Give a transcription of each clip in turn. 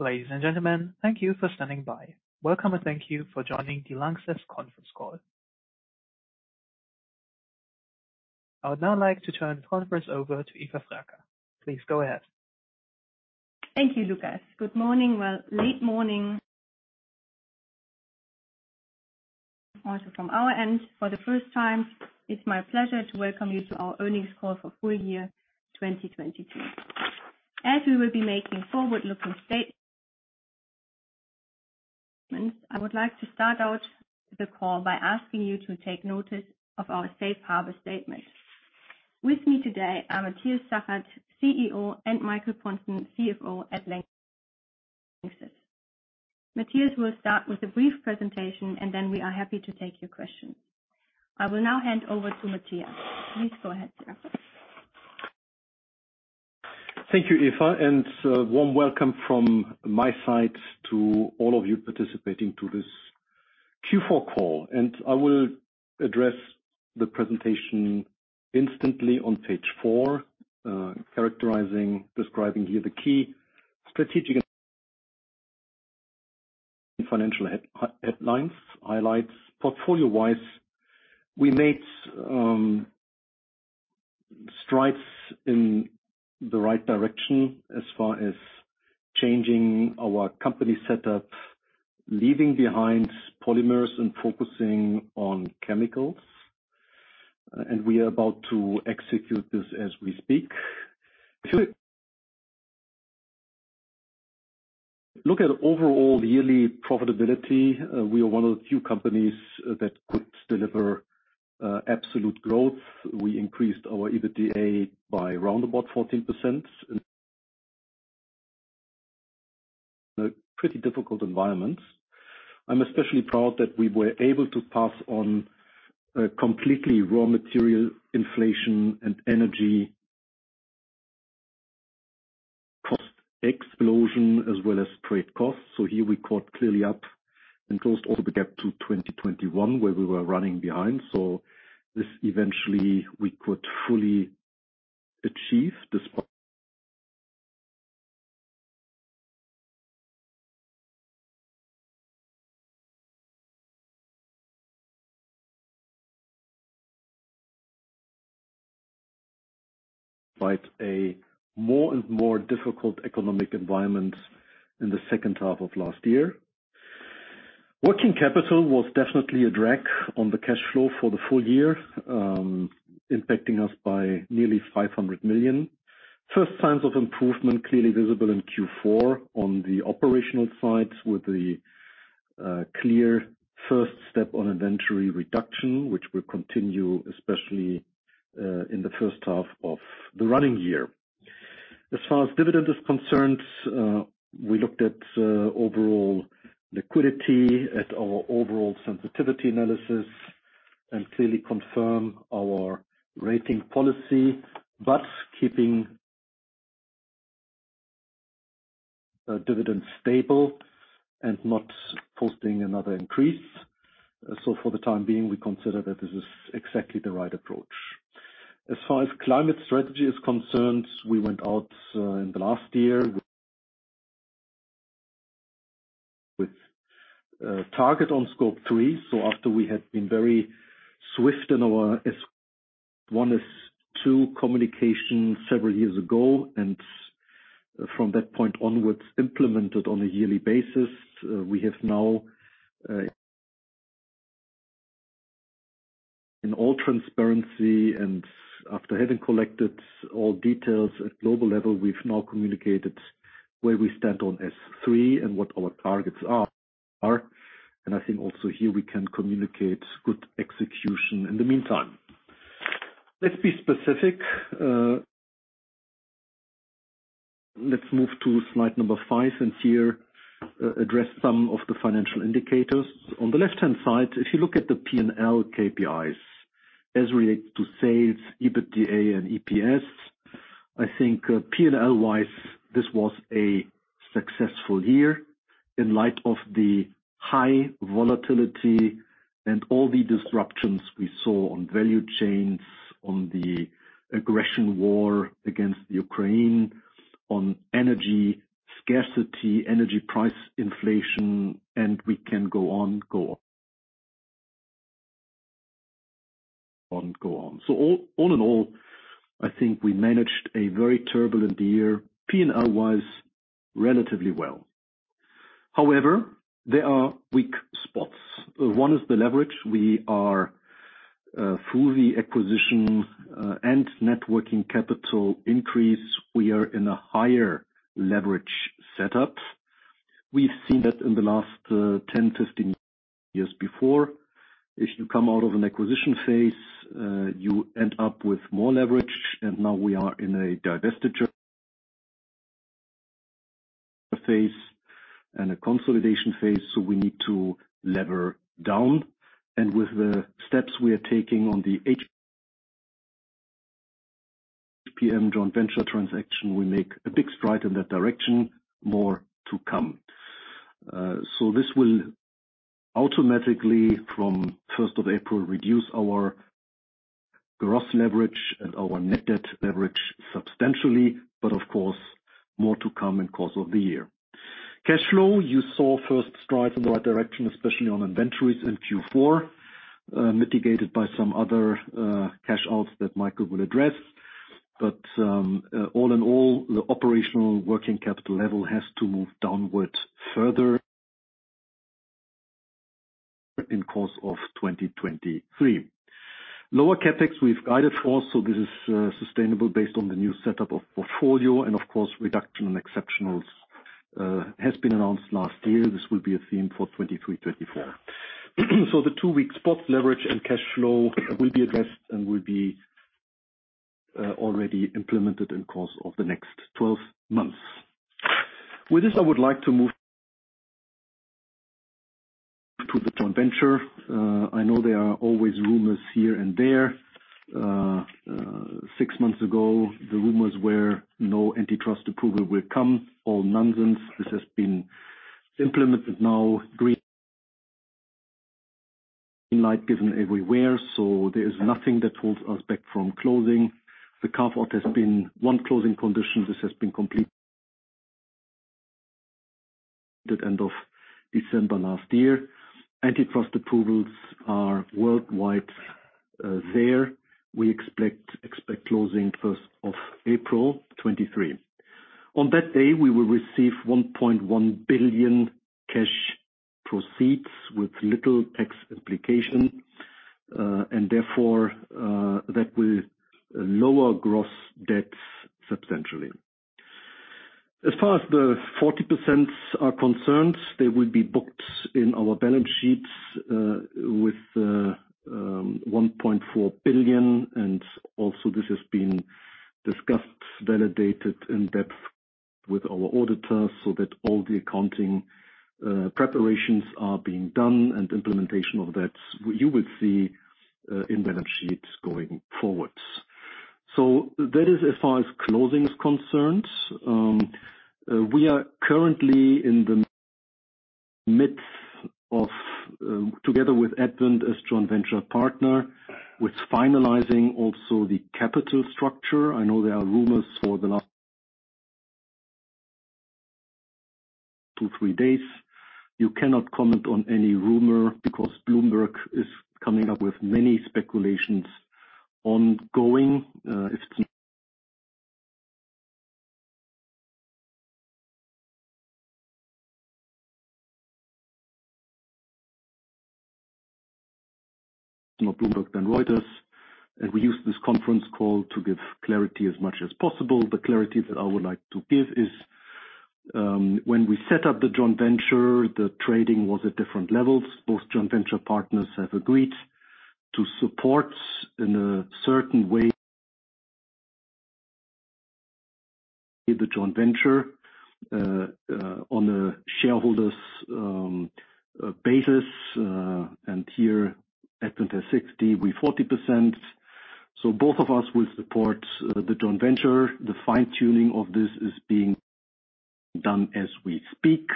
Ladies and gentlemen, thank you for standing by. Welcome, thank you for joining the LANXESS conference call. I would now like to turn the conference over to Eva Ferkel. Please go ahead. Thank you, Lucas. Good morning. Well, late morning also from our end for the first time, it's my pleasure to welcome you to our earnings call for full year 2022. As we will be making forward-looking statements, I would like to start out the call by asking you to take notice of our safe harbor statement. With me today are Matthias Zachert, CEO, and Michael Pontzen, CFO at LANXESS. Matthias will start with a brief presentation, and then we are happy to take your questions. I will now hand over to Matthias. Please go ahead, Zachert. Thank you, Eva, and warm welcome from my side to all of you participating to this Q4 call. I will address the presentation instantly on page four, characterizing, describing here the key strategic and financial headlines, highlights. Portfolio-wise, we made strides in the right direction as far as changing our company setup, leaving behind polymers and focusing on chemicals. We are about to execute this as we speak. To look at overall yearly profitability, we are one of the few companies that could deliver absolute growth. We increased our EBITDA by roundabout 14% in a pretty difficult environment. I'm especially proud that we were able to pass on completely raw material inflation and energy cost explosion, as well as trade costs. Here we caught clearly up and closed all the gap to 2021, where we were running behind. This eventually we could fully achieve despite a more and more difficult economic environment in the second half of last year. Working capital was definitely a drag on the cash flow for the full year, impacting us by nearly 500 million. First signs of improvement clearly visible in Q4 on the operational side with the clear first step on inventory reduction, which will continue especially in the first half of the running year. As far as dividend is concerned, we looked at overall liquidity, at our overall sensitivity analysis, and clearly confirm our rating policy, but keeping dividends stable and not posting another increase. For the time being, we consider that this is exactly the right approach. As far as climate strategy is concerned, we went out in the last year with a target on Scope 3. After we had been very swift in our S1 S2 communication several years ago, and from that point onwards, implemented on a yearly basis, we have now, in all transparency and after having collected all details at global level, we've now communicated where we stand on S3 and what our targets are. I think also here we can communicate good execution in the meantime. Let's be specific. Let's move to slide number five, and here, address some of the financial indicators. On the left-hand side, if you look at the P&L KPIs as relates to sales, EBITDA and EPS, I think P&L-wise, this was a successful year in light of the high volatility and all the disruptions we saw on value chains, on the aggression war against Ukraine, on energy scarcity, energy price inflation, and we can go on, go on, go on. All in all, I think we managed a very turbulent year, P&L-wise, relatively well. However, there are weak spots. One is the leverage. We are, through the acquisition, and working capital increase, we are in a higher leverage setup. We've seen that in the last 10, 15 years before. If you come out of an acquisition phase, you end up with more leverage, and now we are in a divestiture phase and a consolidation phase, so we need to lever down. With the steps we are taking on the HPM joint venture transaction, we make a big stride in that direction. More to come. This will automatically, from first of April, reduce our gross leverage and our net debt leverage substantially, of course, more to come in course of the year. Cash flow, you saw first strides in the right direction, especially on inventories in Q4, mitigated by some other cash outs that Michael will address. All in all, the operational working capital level has to move downward further in course of 2023. Lower CapEx we've guided for, this is sustainable based on the new setup of portfolio and of course, reduction in exceptionals has been announced last year. This will be a theme for 2023, 2024. The two-week spots, leverage, and cash flow will be addressed and will be already implemented in course of the next 12 months. With this, I would like to move to the joint venture. I know there are always rumors here and there. Six months ago, the rumors were no antitrust approval will come. All nonsense. This has been implemented now. Green light given everywhere, so there's nothing that holds us back from closing. The carve-out has been one closing condition. This has been completed end of December last year. Antitrust approvals are worldwide. There, we expect closing first of April 2023. On that day, we will receive 1.1 billion cash proceeds with little tax implication, and therefore, that will lower gross debts substantially. As far as the 40% are concerned, they will be booked in our balance sheets, with 1.4 billion, and also this has been discussed, validated in depth with our auditors so that all the accounting preparations are being done and implementation of that you will see in balance sheets going forwards. That is as far as closing is concerned. We are currently in the midst of, together with Advent as joint venture partner, with finalizing also the capital structure. I know there are rumors for the last two, three days. You cannot comment on any rumor because Bloomberg is coming up with many speculations ongoing. If it's not Bloomberg, then Reuters. We use this conference call to give clarity as much as possible. The clarity that I would like to give is, when we set up the joint venture, the trading was at different levels. Both joint venture partners have agreed to support in a certain way the joint venture on a shareholders basis. Here Advent has 60, we 40%. Both of us will support the joint venture. The fine-tuning of this is being done as we speak.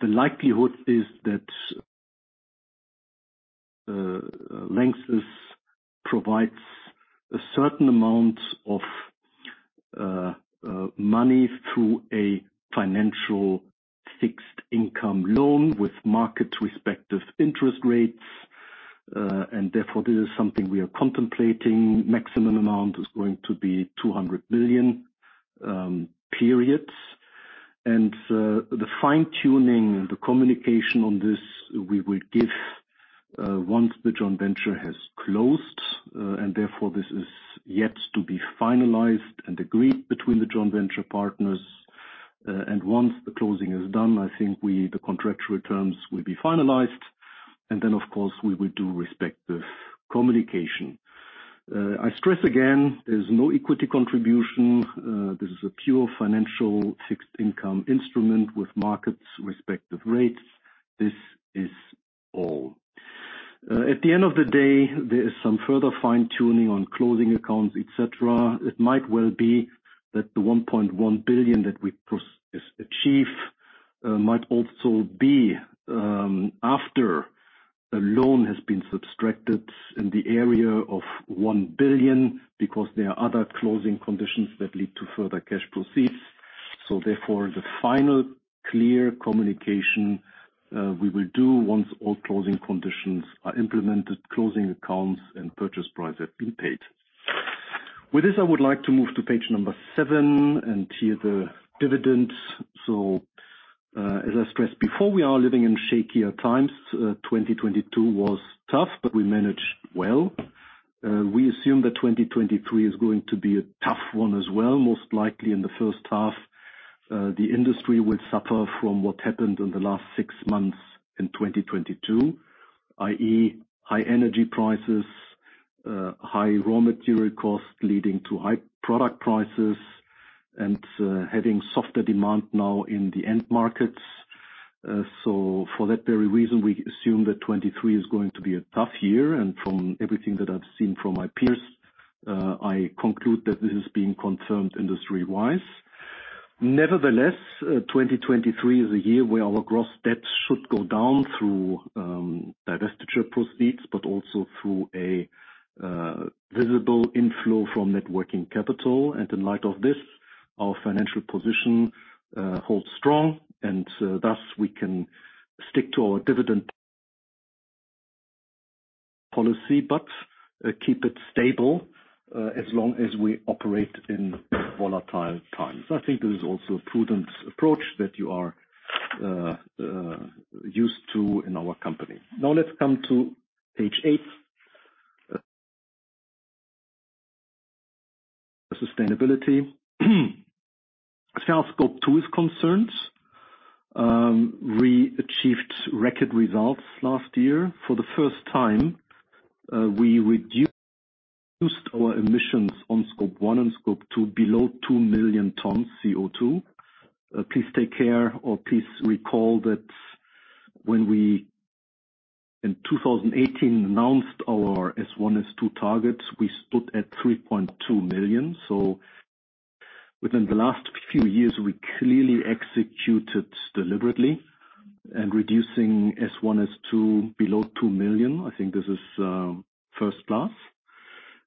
The likelihood is that LANXESS provides a certain amount of money through a financial fixed income loan with market respective interest rates. Therefore, this is something we are contemplating. Maximum amount is going to be 200 million periods. The fine-tuning, the communication on this we will give once the joint venture has closed, and therefore, this is yet to be finalized and agreed between the joint venture partners. Once the closing is done, I think the contractual terms will be finalized. Then, of course, we will do respective communication. I stress again, there's no equity contribution. This is a pure financial fixed income instrument with markets respective rates. This is all. At the end of the day, there is some further fine-tuning on closing accounts, et cetera. It might well be that the 1.1 billion that we achieve might also be after the loan has been subtracted in the area of 1 billion because there are other closing conditions that lead to further cash proceeds. Therefore, the final clear communication, we will do once all closing conditions are implemented, closing accounts and purchase price have been paid. With this, I would like to move to page seven and here the dividends. As I stressed before, we are living in shakier times. 2022 was tough, but we managed well. We assume that 2023 is going to be a tough one as well, most likely in the first half. The industry will suffer from what happened in the last six months in 2022, i.e., high energy prices, high raw material costs leading to high product prices, and having softer demand now in the end markets. For that very reason, we assume that 2023 is going to be a tough year. From everything that I've seen from my peers, I conclude that this is being confirmed industry-wise. Nevertheless, 2023 is a year where our gross debt should go down through divestiture proceeds, but also through a visible inflow from net working capital. In light of this, our financial position holds strong, and thus we can stick to our dividend policy, but keep it stable as long as we operate in volatile times. I think this is also a prudent approach that you are used to in our company. Let's come to page eight. Sustainability. As far as Scope 2 is concerned, we achieved record results last year. For the first time, we reduced our emissions on Scope 1 and Scope 2 below 2 million tons CO₂. Please take care or please recall that when we in 2018 announced our S1, S2 targets, we stood at 3.2 million tons. Within the last few years, we clearly executed deliberately and reducing S1, S2 below 2 million tons, I think this is first class.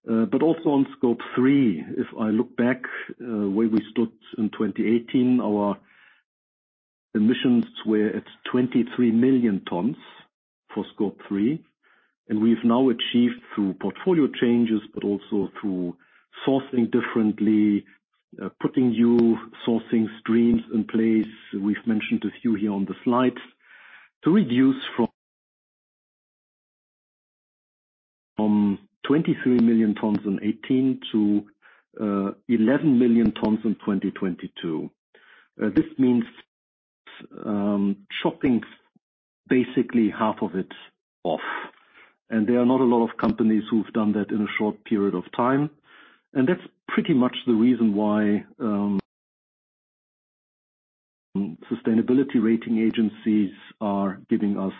Also on Scope 3, if I look back, where we stood in 2018, our emissions were at 23 million tons for Scope 3. We've now achieved through portfolio changes, but also through sourcing differently, putting new sourcing streams in place. We've mentioned a few here on the slides. To reduce from 23 million tons in 2018 to 11 million tons in 2022. This means chopping basically half of it off. There are not a lot of companies who've done that in a short period of time. That's pretty much the reason why sustainability rating agencies are giving us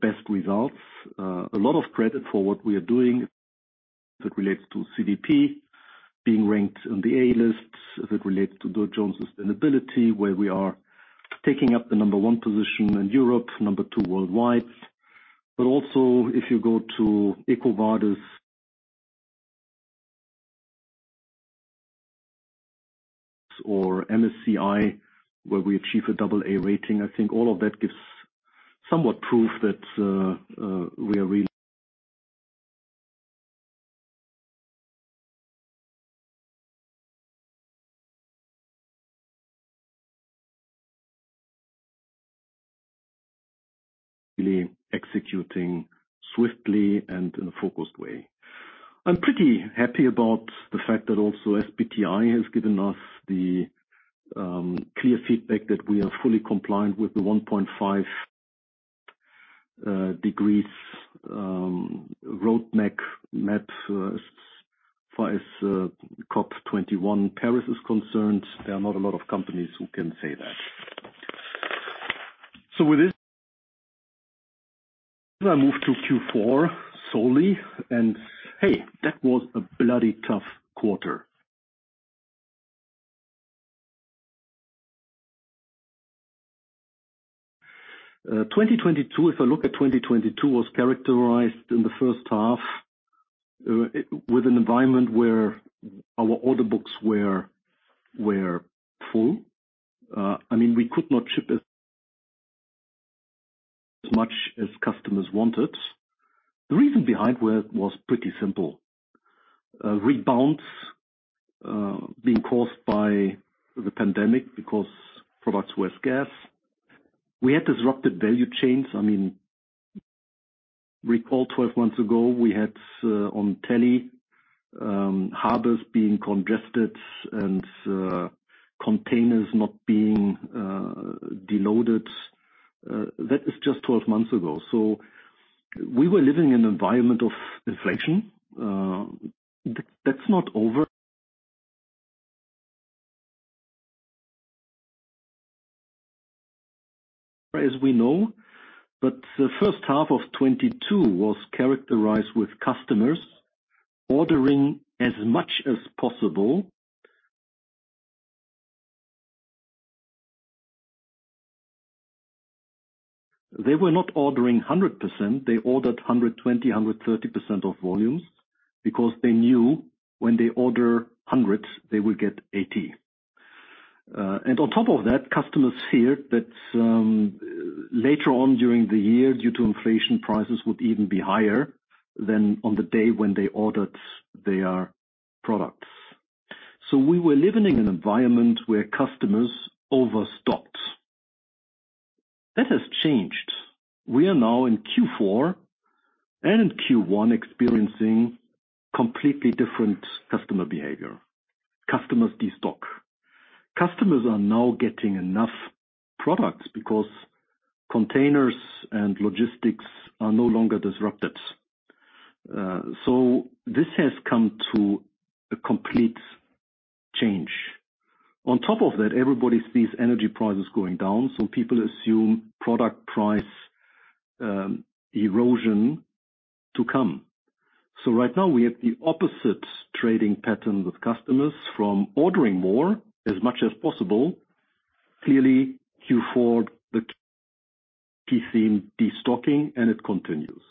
best results. A lot of credit for what we are doing that relates to CDP being ranked on the A list, that relates to Dow Jones sustainability, where we are taking up the number one position in Europe, number two worldwide. Also, if you go to EcoVadis or MSCI, where we achieve a double A rating, I think all of that gives somewhat proof that we are really executing swiftly and in a focused way. I'm pretty happy about the fact that also SBTI has given us the clear feedback that we are fully compliant with the 1.5 degrees road map as far as COP21 Paris is concerned. There are not a lot of companies who can say that. With this, I move to Q4 solely. Hey, that was a bloody tough quarter. 2022, if I look at 2022, was characterized in the first half with an environment where our order books were full. I mean, we could not ship as much as customers wanted. The reason behind it was pretty simple. Rebounds being caused by the pandemic because products were scarce. We had disrupted value chains. I mean, recall 12 months ago, we had on telly harbors being congested and containers not being deloaded. That is just 12 months ago. We were living in an environment of inflation. That's not over as we know. The first half of 2022 was characterized with customers ordering as much as possible. They were not ordering 100%, they ordered 120%, 130% of volumes because they knew when they order 100, they will get 80. On top of that, customers feared that later on during the year, due to inflation, prices would even be higher than on the day when they ordered their products. We were living in an environment where customers overstocked. That has changed. We are now in Q4 and in Q1 experiencing completely different customer behavior. Customers destock. Customers are now getting enough products because containers and logistics are no longer disrupted. This has come to a complete change. On top of that, everybody sees energy prices going down, so people assume product price erosion to come. Right now we have the opposite trading pattern with customers from ordering more as much as possible. Clearly Q4, the key theme, destocking, and it continues.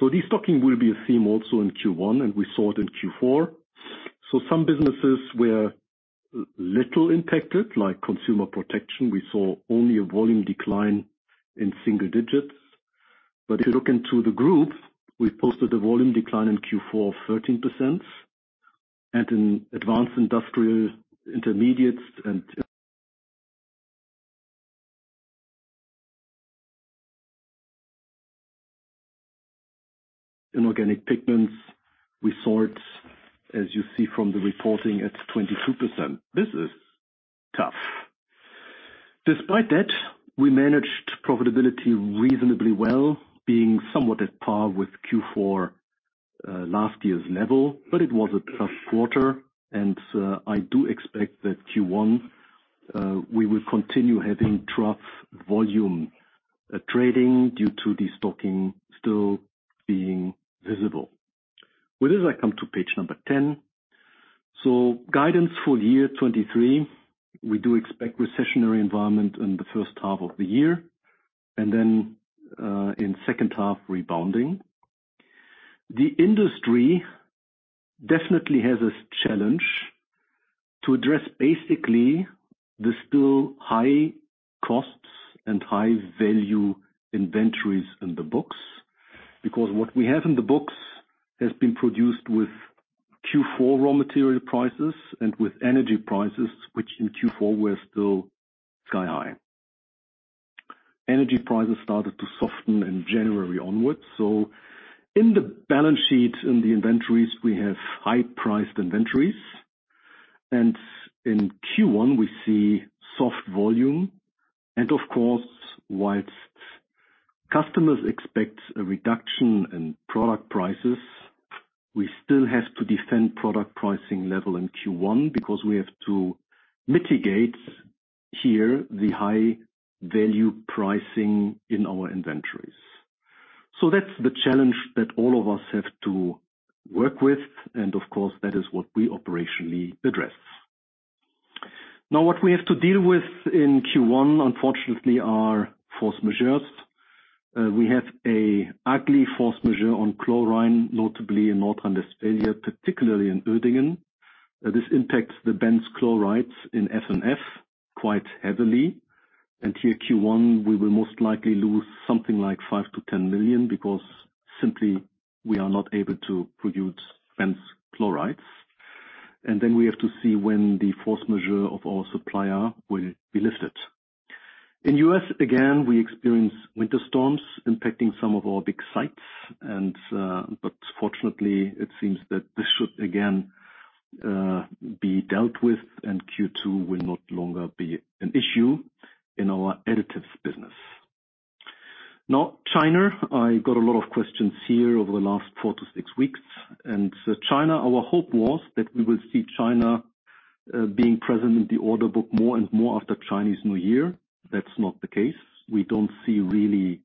Destocking will be a theme also in Q1 and we saw it in Q4. Some businesses were little impacted, like Consumer Protection. We saw only a volume decline in single digits. If you look into the group, we posted a volume decline in Q4 of 13% and in Advanced Industrial Intermediates and Inorganic Pigments, we saw it, as you see from the reporting, it's 22%. This is tough. Despite that, we managed profitability reasonably well, being somewhat at par with Q4 last year's level. It was a tough quarter and I do expect that Q1 we will continue having trough volume trading due to destocking still being visible. With this, I come to page number 10. Guidance for year 2023, we do expect recessionary environment in the first half of the year and then, in second half rebounding. The industry definitely has a challenge to address basically the still high costs and high value inventories in the books. What we have in the books has been produced with Q4 raw material prices and with energy prices, which in Q4 were still sky high. Energy prices started to soften in January onwards. In the balance sheet, in the inventories, we have high-priced inventories. In Q1 we see soft volume. Of course, whilst customers expect a reduction in product prices, we still have to defend product pricing level in Q1 because we have to mitigate here the high value pricing in our inventories. That's the challenge that all of us have to work with and of course that is what we operationally address. What we have to deal with in Q1, unfortunately, are force majeures. We have a ugly force majeure on chlorine, notably in North Rhine-Westphalia, particularly in Uerdingen. This impacts the Benzyl Chloride in F&F quite heavily. Here Q1 we will most likely lose something like 5 million-10 million because simply we are not able to produce Benzyl Chloride. Then we have to see when the force majeure of our supplier will be lifted. In U.S. Again, we experience winter storms impacting some of our big sites. Fortunately, it seems that this should again be dealt with and Q2 will no longer be an issue in our additives business. China, I got a lot of questions here over the last four to six weeks. China, our hope was that we will see China being present in the order book more and more after Chinese New Year. That's not the case. We don't see really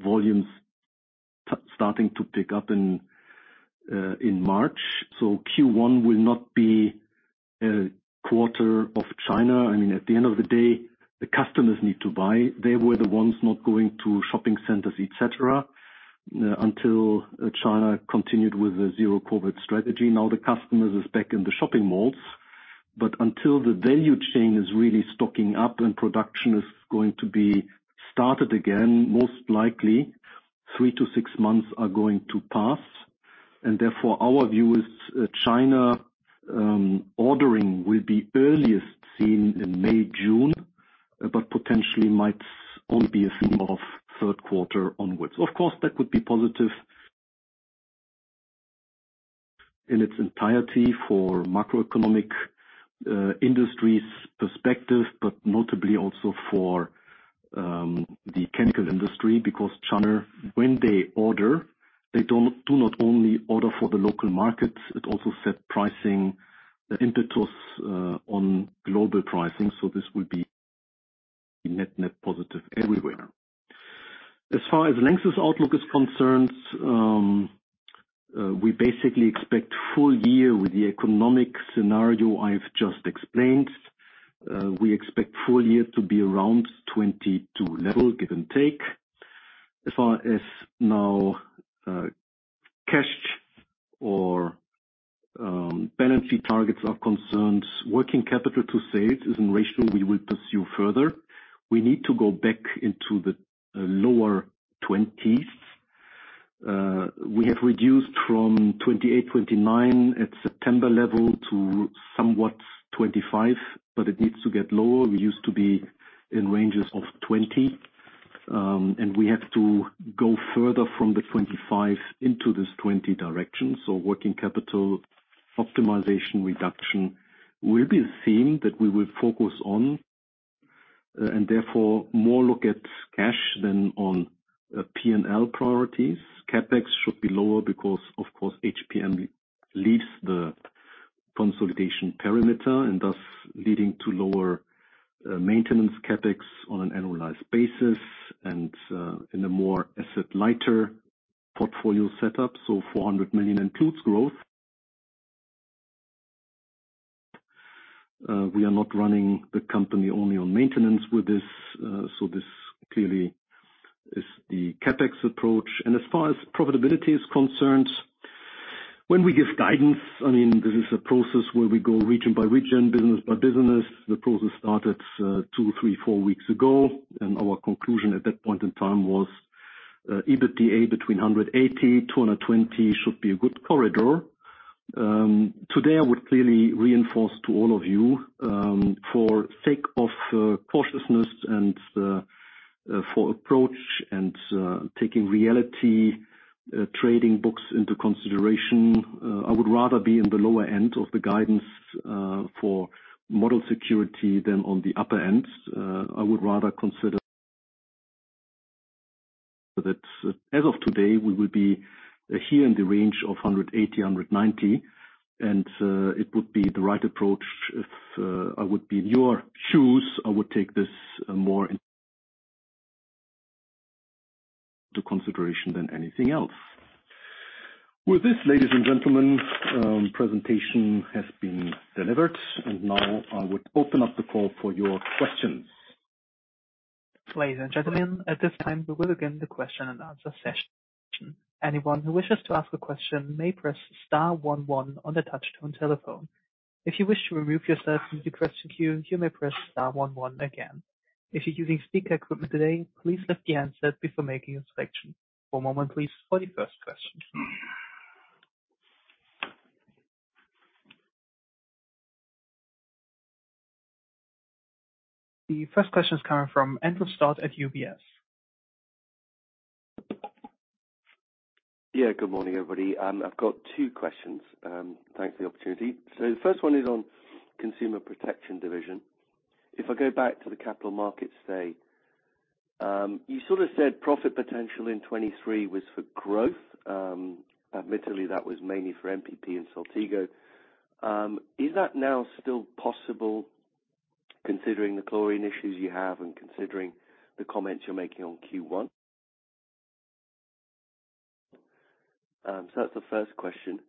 volumes starting to pick up in March. Q1 will not be a quarter of China. I mean, at the end of the day, the customers need to buy. They were the ones not going to shopping centers, et cetera, until China continued with the zero-COVID strategy. The customers is back in the shopping malls. Until the value chain is really stocking up and production is going to be started again, most likely three to six months are going to pass. Therefore, our view is China ordering will be earliest seen in May, June, but potentially might only be a theme of third quarter onwards. Of course, that would be positive in its entirety for macroeconomic industries perspective, but notably also for the chemical industry, because China, when they order, they do not only order for the local markets, it also set pricing impetus on global pricing. This will be net positive everywhere. As far as LANXESS outlook is concerned, we basically expect full year with the economic scenario I've just explained. We expect full year to be around 2022 level, give and take. As far as now, cash or balance sheet targets are concerned, working capital to sales is a ratio we will pursue further. We need to go back into the lower 20s. We have reduced from 28%-29% at September level to somewhat 25%, but it needs to get lower. We used to be in ranges of 20%, and we have to go further from the 25% into this 20% direction. Working capital optimization reduction will be a theme that we will focus on, and therefore more look at cash than on P&L priorities. CapEx should be lower because of course HPM leaves the Consolidation perimeter and thus leading to lower maintenance CapEx on an annualized basis and in a more asset lighter portfolio setup. 400 million includes growth. We are not running the company only on maintenance with this, so this clearly is the CapEx approach. As far as profitability is concerned, when we give guidance, I mean, this is a process where we go region by region, business by business. The process started, two, three, four weeks ago. Our conclusion at that point in time was, EBITDA between 180-220 should be a good corridor. Today I would clearly reinforce to all of you, for sake of cautiousness and for approach and taking reality, trading books into consideration, I would rather be in the lower end of the guidance, for model security than on the upper end. That as of today, we will be here in the range of 180-190. It would be the right approach if I would be in your shoes, I would take this more into consideration than anything else. With this, ladies and gentlemen, presentation has been delivered. Now I would open up the call for your questions. Ladies and gentlemen, at this time, we will begin the question and answer session. Anyone who wishes to ask a question may press star one one on their touchtone telephone. If you wish to remove yourself from the question queue, you may press star one one again. If you're using speaker equipment today, please lift the handset before making a selection. One moment, please, for the first question. The first question is coming from Andrew Stott at UBS. Good morning, everybody. I've got two questions. Thanks for the opportunity. The first one is on Consumer Protection division. If I go back to the capital markets slide, you sort of said profit potential in 2023 was for growth. Admittedly, that was mainly for MPP and Saltigo. Is that now still possible considering the chlorine issues you have and considering the comments you're making on Q1? That's the first question.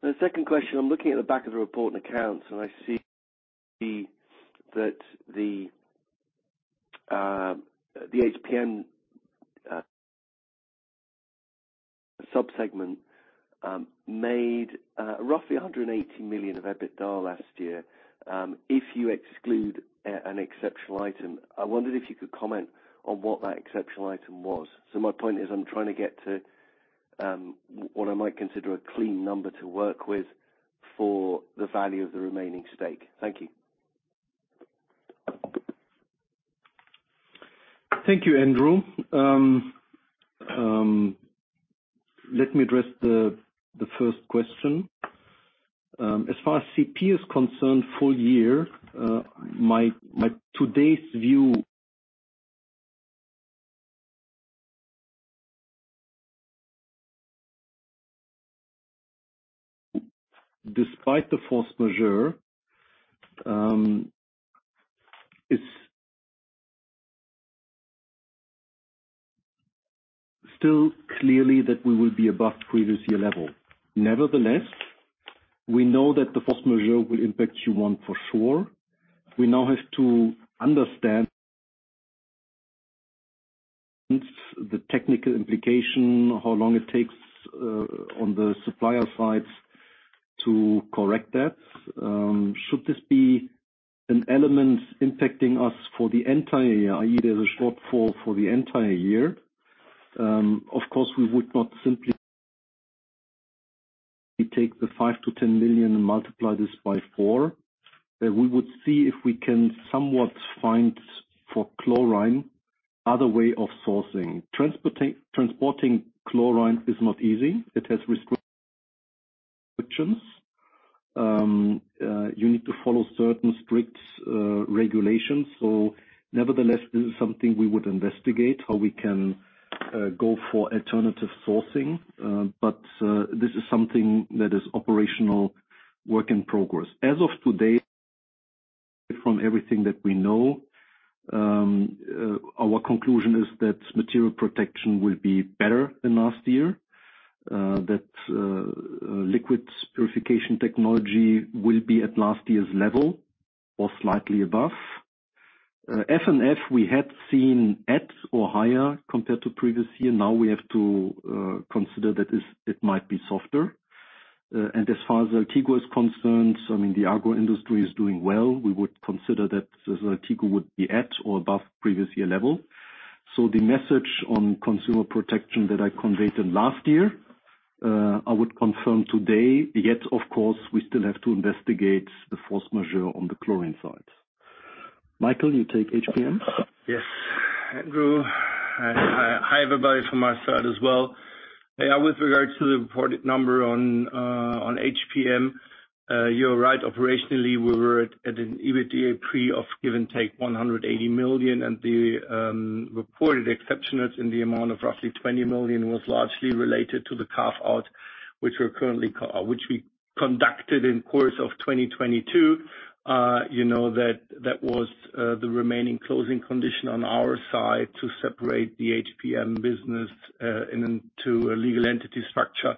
The second question, I'm looking at the back of the report and accounts, and I see that the HPM subsegment made roughly 180 million of EBITDA last year, if you exclude an exceptional item. I wondered if you could comment on what that exceptional item was? My point is, I'm trying to get to what I might consider a clean number to work with for the value of the remaining stake. Thank you. Thank you, Andrew. Let me address the first question. As far as CP is concerned full year, my today's view, despite the force majeure, it's still clearly that we will be above previous year level. Nevertheless, we know that the force majeure will impact Q1 for sure. We now have to understand the technical implication, how long it takes on the supplier sides to correct that. Should this be an element impacting us for the entire year, i.e., there's a shortfall for the entire year, of course, we would not simply take the 5 million-10 million and multiply this by four. We would see if we can somewhat find for chlorine other way of sourcing. Transporting chlorine is not easy. It has restrictions. You need to follow certain strict regulations. Nevertheless, this is something we would investigate, how we can go for alternative sourcing. This is something that is operational work in progress. As of today, from everything that we know, our conclusion is that Material Protection will be better than last year, that Liquid Purification Technologies will be at last year's level or slightly above. F&F we had seen at or higher compared to previous year. Now we have to consider that is, it might be softer. As far as Saltigo is concerned, I mean, the agro industry is doing well. We would consider that Saltigo would be at or above previous year level. The message on Consumer Protection that I conveyed in last year, I would confirm today. Yet, of course, we still have to investigate the force majeure on the chlorine side. Michael, you take HPM? Yes. Andrew. Hi, everybody from our side as well. With regards to the reported number on HPM, you're right. Operationally, we were at an EBITDA pre of give and take 180 million. The reported exception is in the amount of roughly 20 million was largely related to the carve-out Which we conducted in course of 2022. you know, that was the remaining closing condition on our side to separate the HPM business to a legal entity structure.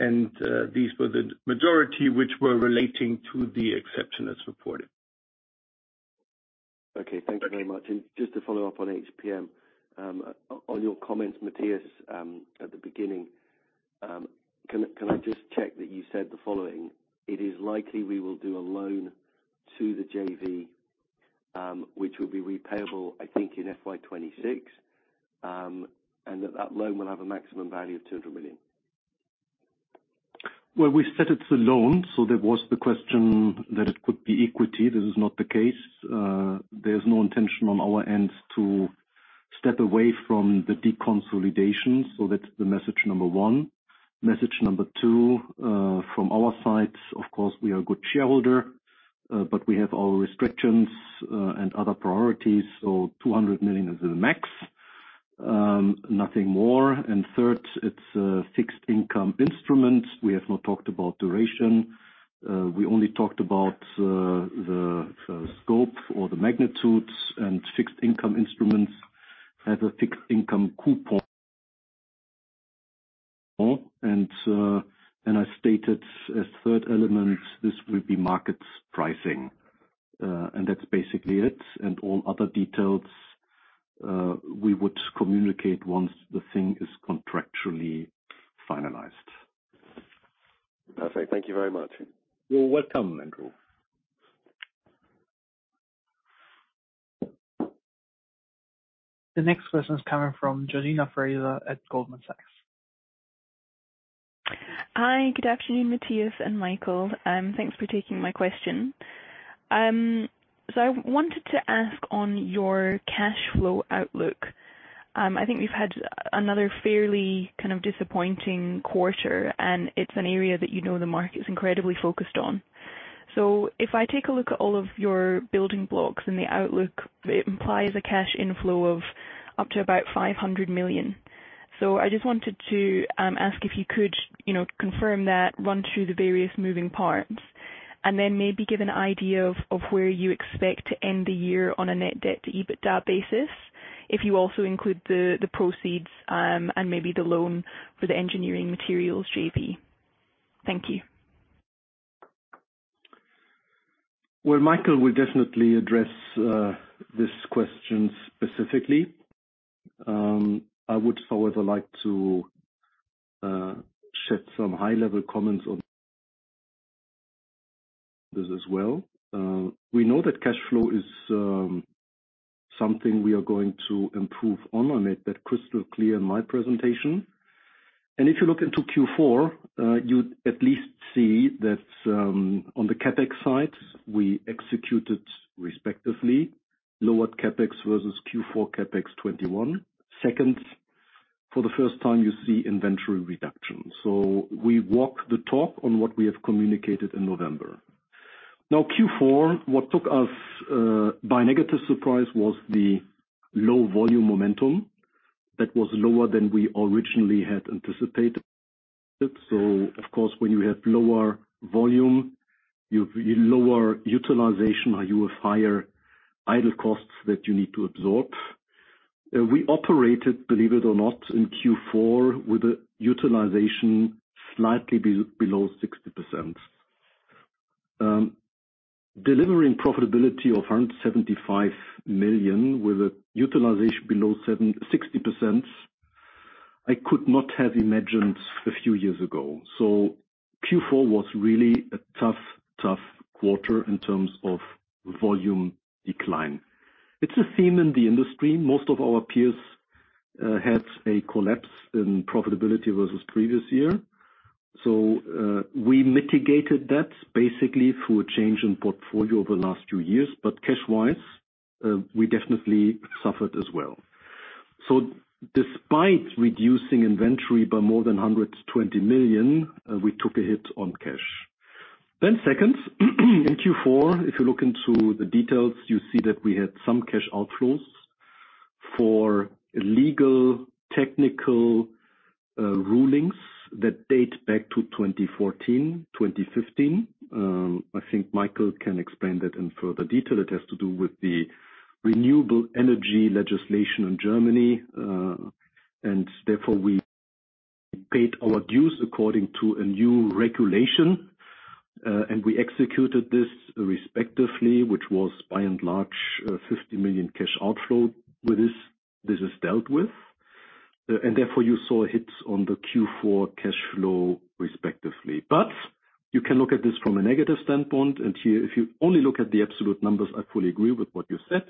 These were the majority which were relating to the exception as reported. Okay. Thank you very much. Just to follow up on HPM, on your comments, Matthias, at the beginning, can I just check that you said the following: "It is likely we will do a loan to the JV, which will be repayable, I think, in FY 2026, and that loan will have a maximum value of 200 million. We said it's a loan, so that was the question, that it could be equity. This is not the case. There's no intention on our end to step away from the deconsolidation, that's the message number one. Message number two, from our side, of course, we are a good shareholder, but we have our restrictions, and other priorities, 200 million is the max, nothing more. Third, it's a fixed income instrument. We have not talked about duration. We only talked about the scope or the magnitudes and fixed income instruments as a fixed income coupon. I stated a third element, this will be market pricing. That's basically it. All other details, we would communicate once the thing is contractually finalized. Perfect. Thank you very much. You're welcome, Andrew. The next question is coming from Georgina Fraser at Goldman Sachs. Hi. Good afternoon, Matthias and Michael. Thanks for taking my question. I wanted to ask on your cash flow outlook, I think we've had another fairly kind of disappointing quarter, and it's an area that you know the market is incredibly focused on. If I take a look at all of your building blocks in the outlook, it implies a cash inflow of up to about 500 million. I just wanted to ask if you could, you know, confirm that, run through the various moving parts, and then maybe give an idea of where you expect to end the year on a net debt to EBITDA basis, if you also include the proceeds and maybe the loan for the engineering materials JV. Thank you. Well, Michael will definitely address this question specifically. I would, however, like to shed some high-level comments on this as well. We know that cash flow is something we are going to improve on. I made that crystal clear in my presentation. If you look into Q4, you at least see that on the CapEx side, we executed respectively lower CapEx versus Q4 CapEx 2021. Second, for the first time you see inventory reduction. We walk the talk on what we have communicated in November. Q4, what took us by negative surprise was the low volume momentum that was lower than we originally had anticipated. Of course, when you have lower volume, you've lower utilization or you have higher idle costs that you need to absorb. We operated, believe it or not, in Q4 with a utilization slightly below 60%. Delivering profitability of 175 million with a utilization below 60%, I could not have imagined a few years ago. Q4 was really a tough quarter in terms of volume decline. It's a theme in the industry. Most of our peers had a collapse in profitability versus previous year. We mitigated that basically through a change in portfolio over the last two years. Cash-wise, we definitely suffered as well. Despite reducing inventory by more than 120 million, we took a hit on cash. Second, in Q4, if you look into the details, you see that we had some cash outflows for legal, technical rulings that date back to 2014, 2015. I think Michael can explain that in further detail. It has to do with the renewable energy legislation in Germany. Therefore, we paid our dues according to a new regulation, and we executed this respectively, which was by and large, 50 million cash outflow. With this is dealt with. Therefore, you saw hits on the Q4 cash flow respectively. You can look at this from a negative standpoint. Here, if you only look at the absolute numbers, I fully agree with what you said.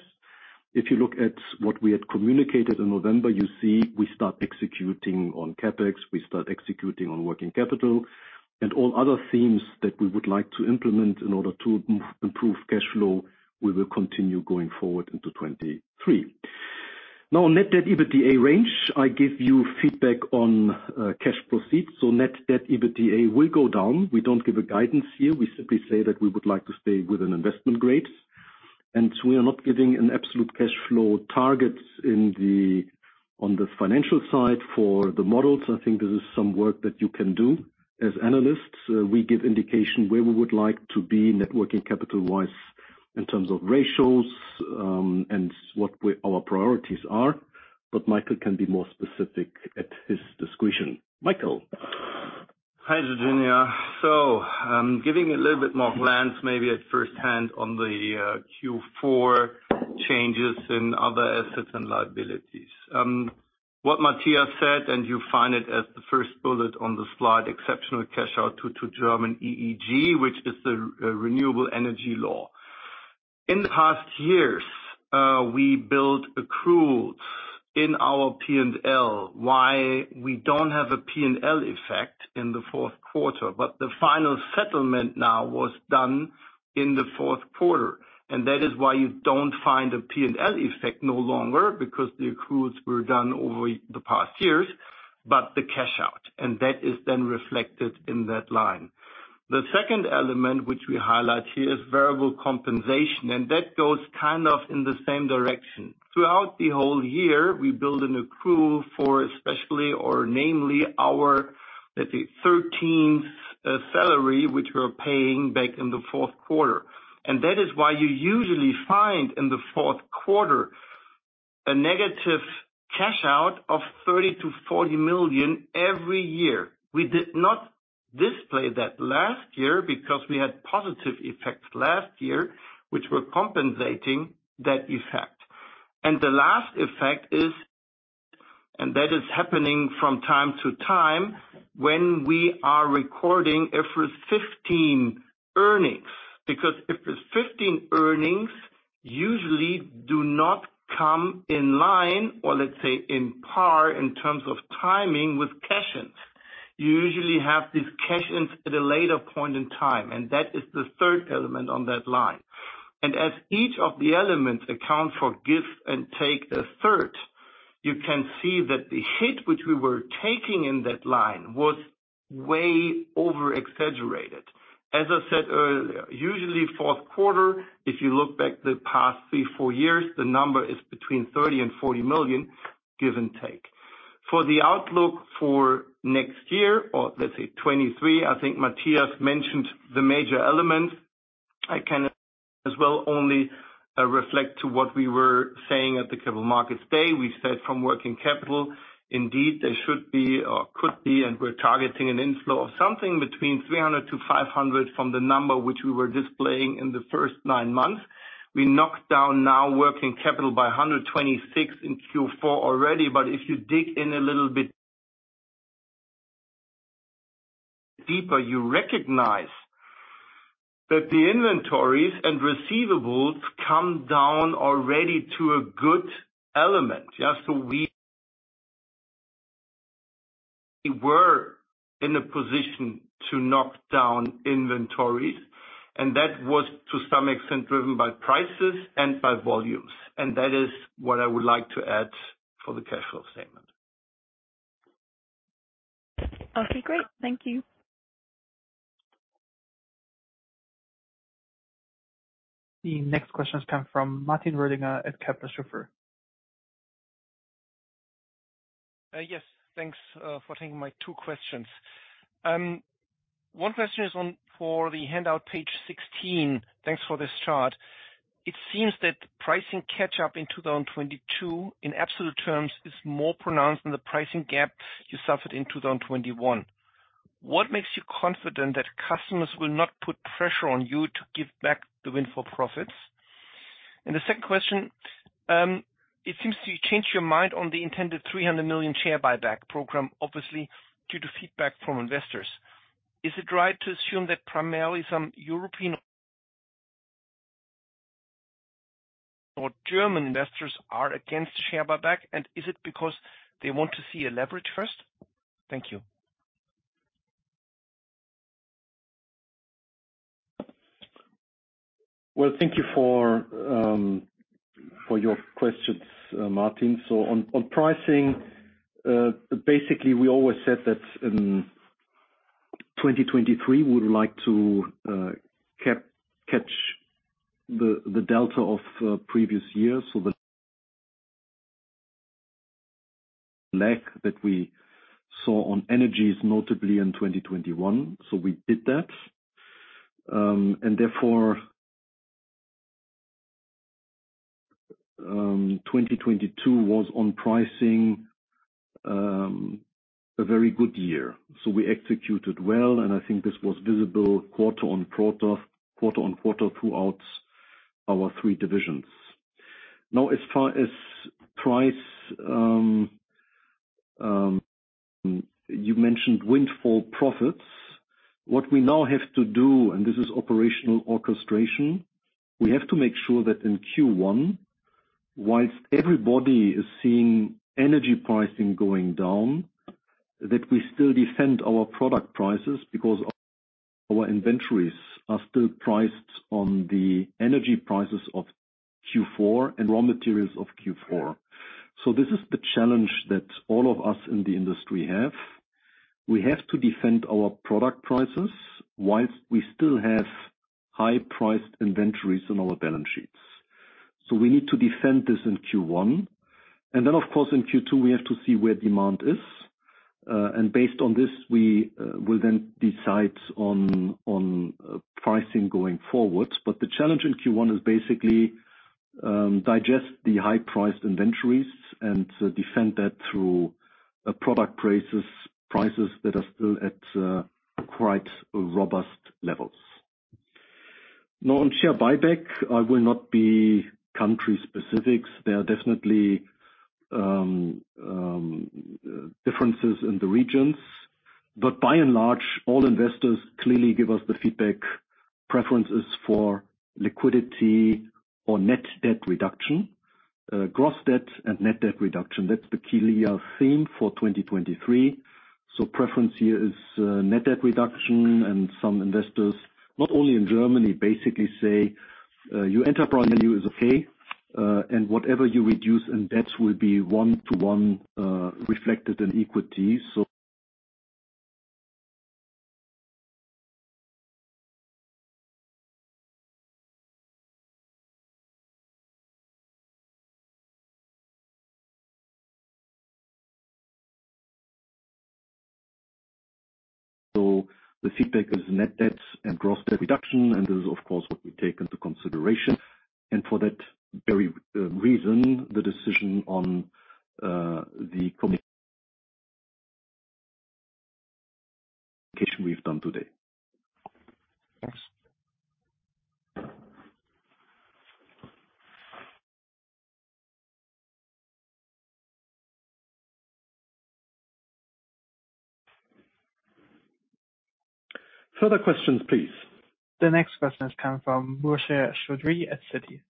If you look at what we had communicated in November, you see we start executing on CapEx, we start executing on working capital and all other themes that we would like to implement in order to improve cash flow, we will continue going forward into 2023. On net debt EBITDA range, I give you feedback on cash proceeds. Net debt EBITDA will go down. We don't give a guidance here. We simply say that we would like to stay with an investment grade. We are not giving an absolute cash flow targets in the, on the financial side for the models. I think this is some work that you can do as analysts. We give indication where we would like to be networking capital-wise in terms of ratios, and what our priorities are. Michael can be more specific at his discretion. Michael. Hi, Georgina. Giving a little bit more glance, maybe at first hand on the Q4 changes in other assets and liabilities. What Matthias Zachert said, and you find it as the first bullet on the slide, exceptional cash out to German EEG, which is the renewable energy law. In the past years, we built accruals in our P&L. Why we don't have a P&L effect in the fourth quarter, but the final settlement now was done in the fourth quarter. That is why you don't find a P&L effect no longer because the accruals were done over the past years, but the cash out, and that is then reflected in that line. The second element, which we highlight here, is variable compensation, and that goes kind of in the same direction. Throughout the whole year, we build an accrual for especially, or namely our, let's say, 13th salary, which we're paying back in the fourth quarter. That is why you usually find in the fourth quarter a negative cash out of 30 million-40 million every year. We did not display that last year because we had positive effects last year, which were compensating that effect. The last effect is, and that is happening from time to time, when we are recording F15 earnings. F15 earnings usually do not come in line, or let's say, in par, in terms of timing with cash-ins. You usually have these cash-ins at a later point in time, and that is the third element on that line. As each of the elements account for give and take a third, you can see that the hit which we were taking in that line was way over-exaggerated. As I said earlier, usually fourth quarter, if you look back the past three, four years, the number is between 30 million and 40 million, give and take. For the outlook for next year, or let's say 2023, I think Matthias mentioned the major elements. I can as well only reflect to what we were saying at the Capital Markets Day. We said from working capital, indeed, there should be or could be, and we're targeting an inflow of something between 300 million-500 million from the number which we were displaying in the first nine months. We knocked down now working capital by 126 million in Q4 already. If you dig in a little bit deeper, you recognize that the inventories and receivables come down already to a good element. Yeah, we were in a position to knock down inventories, and that was to some extent driven by prices and by volumes. That is what I would like to add for the cash flow statement. Okay, great. Thank you. The next question comes fromMartin Rödiger at Kepler Cheuvreux. Yes. Thanks for taking my two questions. one question is on for the handout page 16. Thanks for this chart. It seems that pricing catch up in 2022, in absolute terms, is more pronounced than the pricing gap you suffered in 2021. What makes you confident that customers will not put pressure on you to give back the windfall profits? The 2nd question, it seems to change your mind on the intended 300 million share buyback program, obviously, due to feedback from investors. Is it right to assume that primarily some European or German investors are against share buyback? Is it because they want to see a leverage first? Thank you. Well, thank you for your questions, Martin. On pricing, basically, we always said that in 2023, we would like to cap-catch the delta of previous years. The lack that we saw on energies, notably in 2021. We did that. Therefore, 2022 was on pricing a very good year. We executed well, and I think this was visible quarter on quarter throughout our three divisions. As far as price, you mentioned windfall profits. What we now have to do, and this is operational orchestration, we have to make sure that in Q1, whilst everybody is seeing energy pricing going down, that we still defend our product prices because our inventories are still priced on the energy prices of Q4 and raw materials of Q4. This is the challenge that all of us in the industry have. We have to defend our product prices whilst we still have high-priced inventories on our balance sheets. We need to defend this in Q1. Of course, in Q2, we have to see where demand is. Based on this, we will then decide on pricing going forward. The challenge in Q1 is basically digest the high-priced inventories and defend that through product prices that are still at quite robust levels. Now, on share buyback, I will not be country-specific. There are definitely differences in the regions. By and large, all investors clearly give us the feedback preferences for liquidity or net debt reduction. Gross debt and net debt reduction, that's the key theme for 2023. Preference here is net debt reduction. Some investors, not only in Germany, basically say, your enterprise value is okay, and whatever you reduce in debts will be one to one reflected in equity. The feedback is net debts and gross debt reduction, and this is, of course, what we take into consideration. For that very reason, the decision on the communication we've done today. Further questions, please. The next question is coming from Rishi Chaudhary at Citi.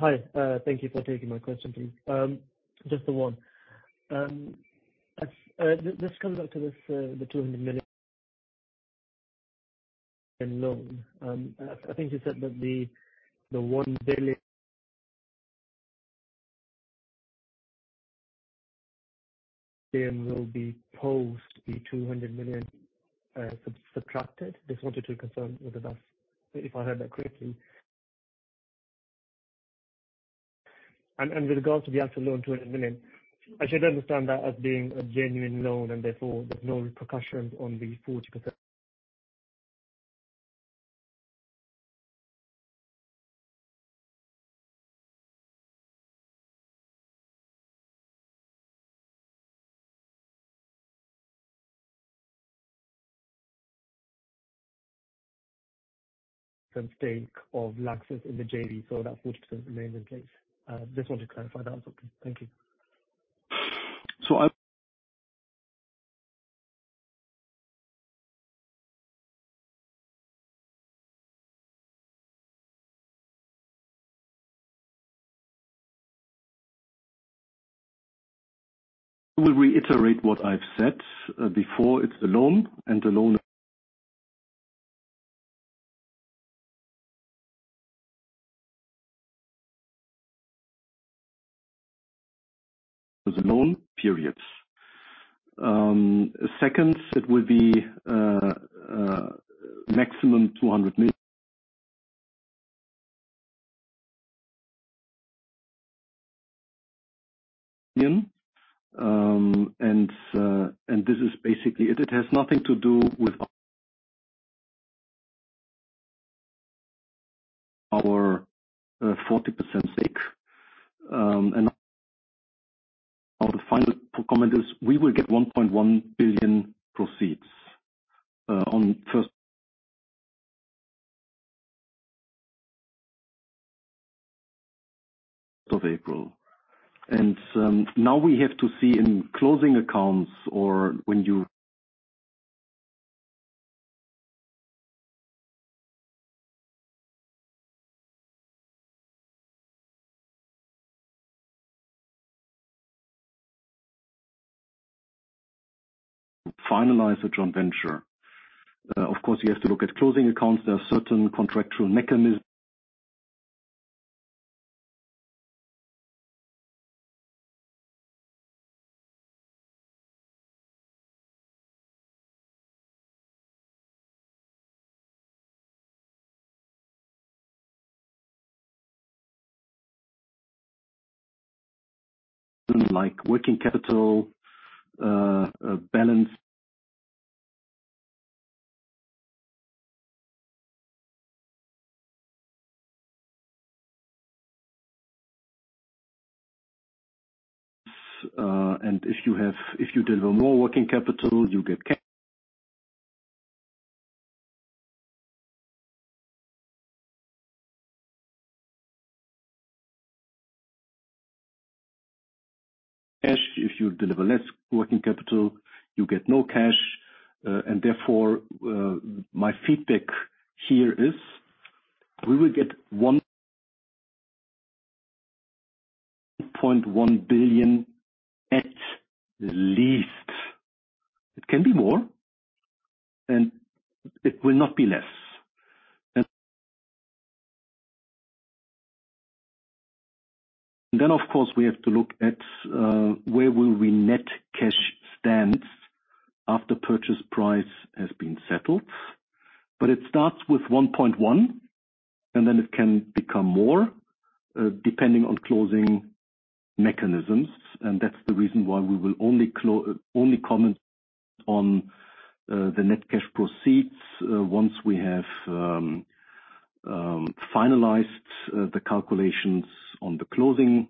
Hi. Thank you for taking my question, please. Just the one. This comes up to this, the 200 million loan. I think you said that the 1 billion will be post the 200 million subtracted. Just wanted to confirm with us if I heard that correctly. With regards to the actual loan, 200 million, I should understand that as being a genuine loan and therefore there's no repercussions on the 40% stake of LANXESS in the JV, so that 40% remains in place. Just want to clarify the answer, please. Thank you. I will reiterate what I've said before. It's a loan, and the loan periods. Second, it will be maximum 200 million, and this is basically it. It has nothing to do with our 40% stake. Our final comment is we will get 1.1 billion proceeds on first of April. Now we have to see in closing accounts or when you finalize the joint venture. Of course, you have to look at closing accounts. There are certain contractual mechanisms like working capital balance. If you deliver more working capital, you get cash. If you deliver less working capital, you get no cash. Therefore, my feedback here is we will get 1.1 billion at least. It can be more, and it will not be less. Of course, we have to look at where will we net cash stands after purchase price has been settled. It starts with 1.1, and then it can become more, depending on closing mechanisms. That's the reason why we will only comment on the net cash proceeds once we have finalized the calculations on the closing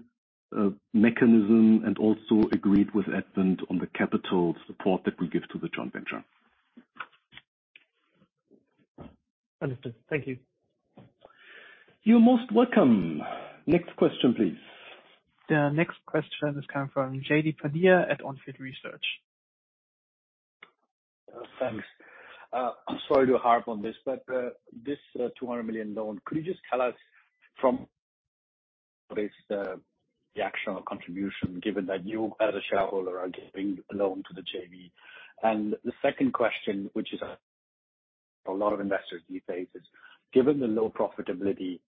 mechanism and also agreed with Advent on the capital support that we give to the joint venture. Understood. Thank you. You're most welcome. Next question, please. The next question is coming from Jaideep Pandya at On Field Investment Research. Thanks. I'm sorry to harp on this, but this 200 million loan, could you just tell us from the action or contribution, given that you as a shareholder are giving a loan to the JV? The second question, which is a lot of investors these days, is given the low profitability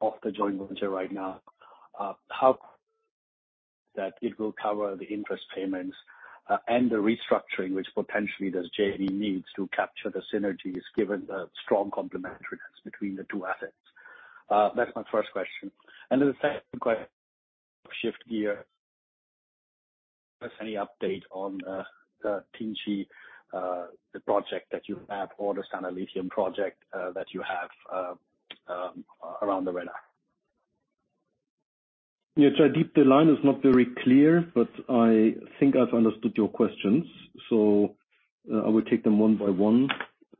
of the joint venture right now, how that it will cover the interest payments and the restructuring, which potentially does JV needs to capture the synergies, given the strong complementariness between the two assets. That's my first question. Then the second question, shift gear. Plus, any update on the Tinci project that you have or the Standard Lithium project that you have around the radar? Jaideep, the line is not very clear, but I think I've understood your questions, so I will take them one by one.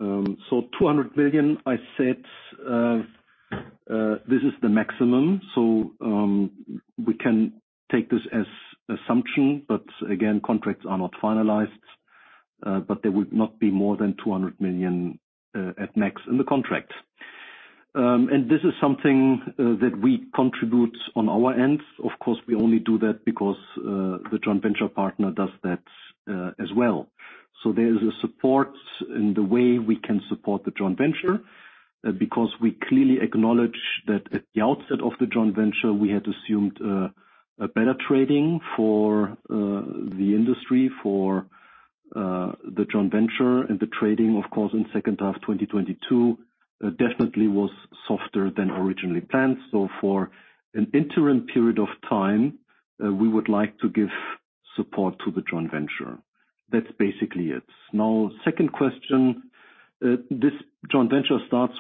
200 million, I said, this is the maximum. We can take this as assumption, again, contracts are not finalized, but there would not be more than 200 million, at max in the contract. This is something that we contribute on our end. We only do that because the joint venture partner does that as well. There is a support in the way we can support the joint venture, because we clearly acknowledge that at the outset of the joint venture, we had assumed a better trading for the industry, for the joint venture. The trading, of course, in second half 2022, definitely was softer than originally planned. For an interim period of time, we would like to give support to the joint venture. That's basically it. Second question. This joint venture starts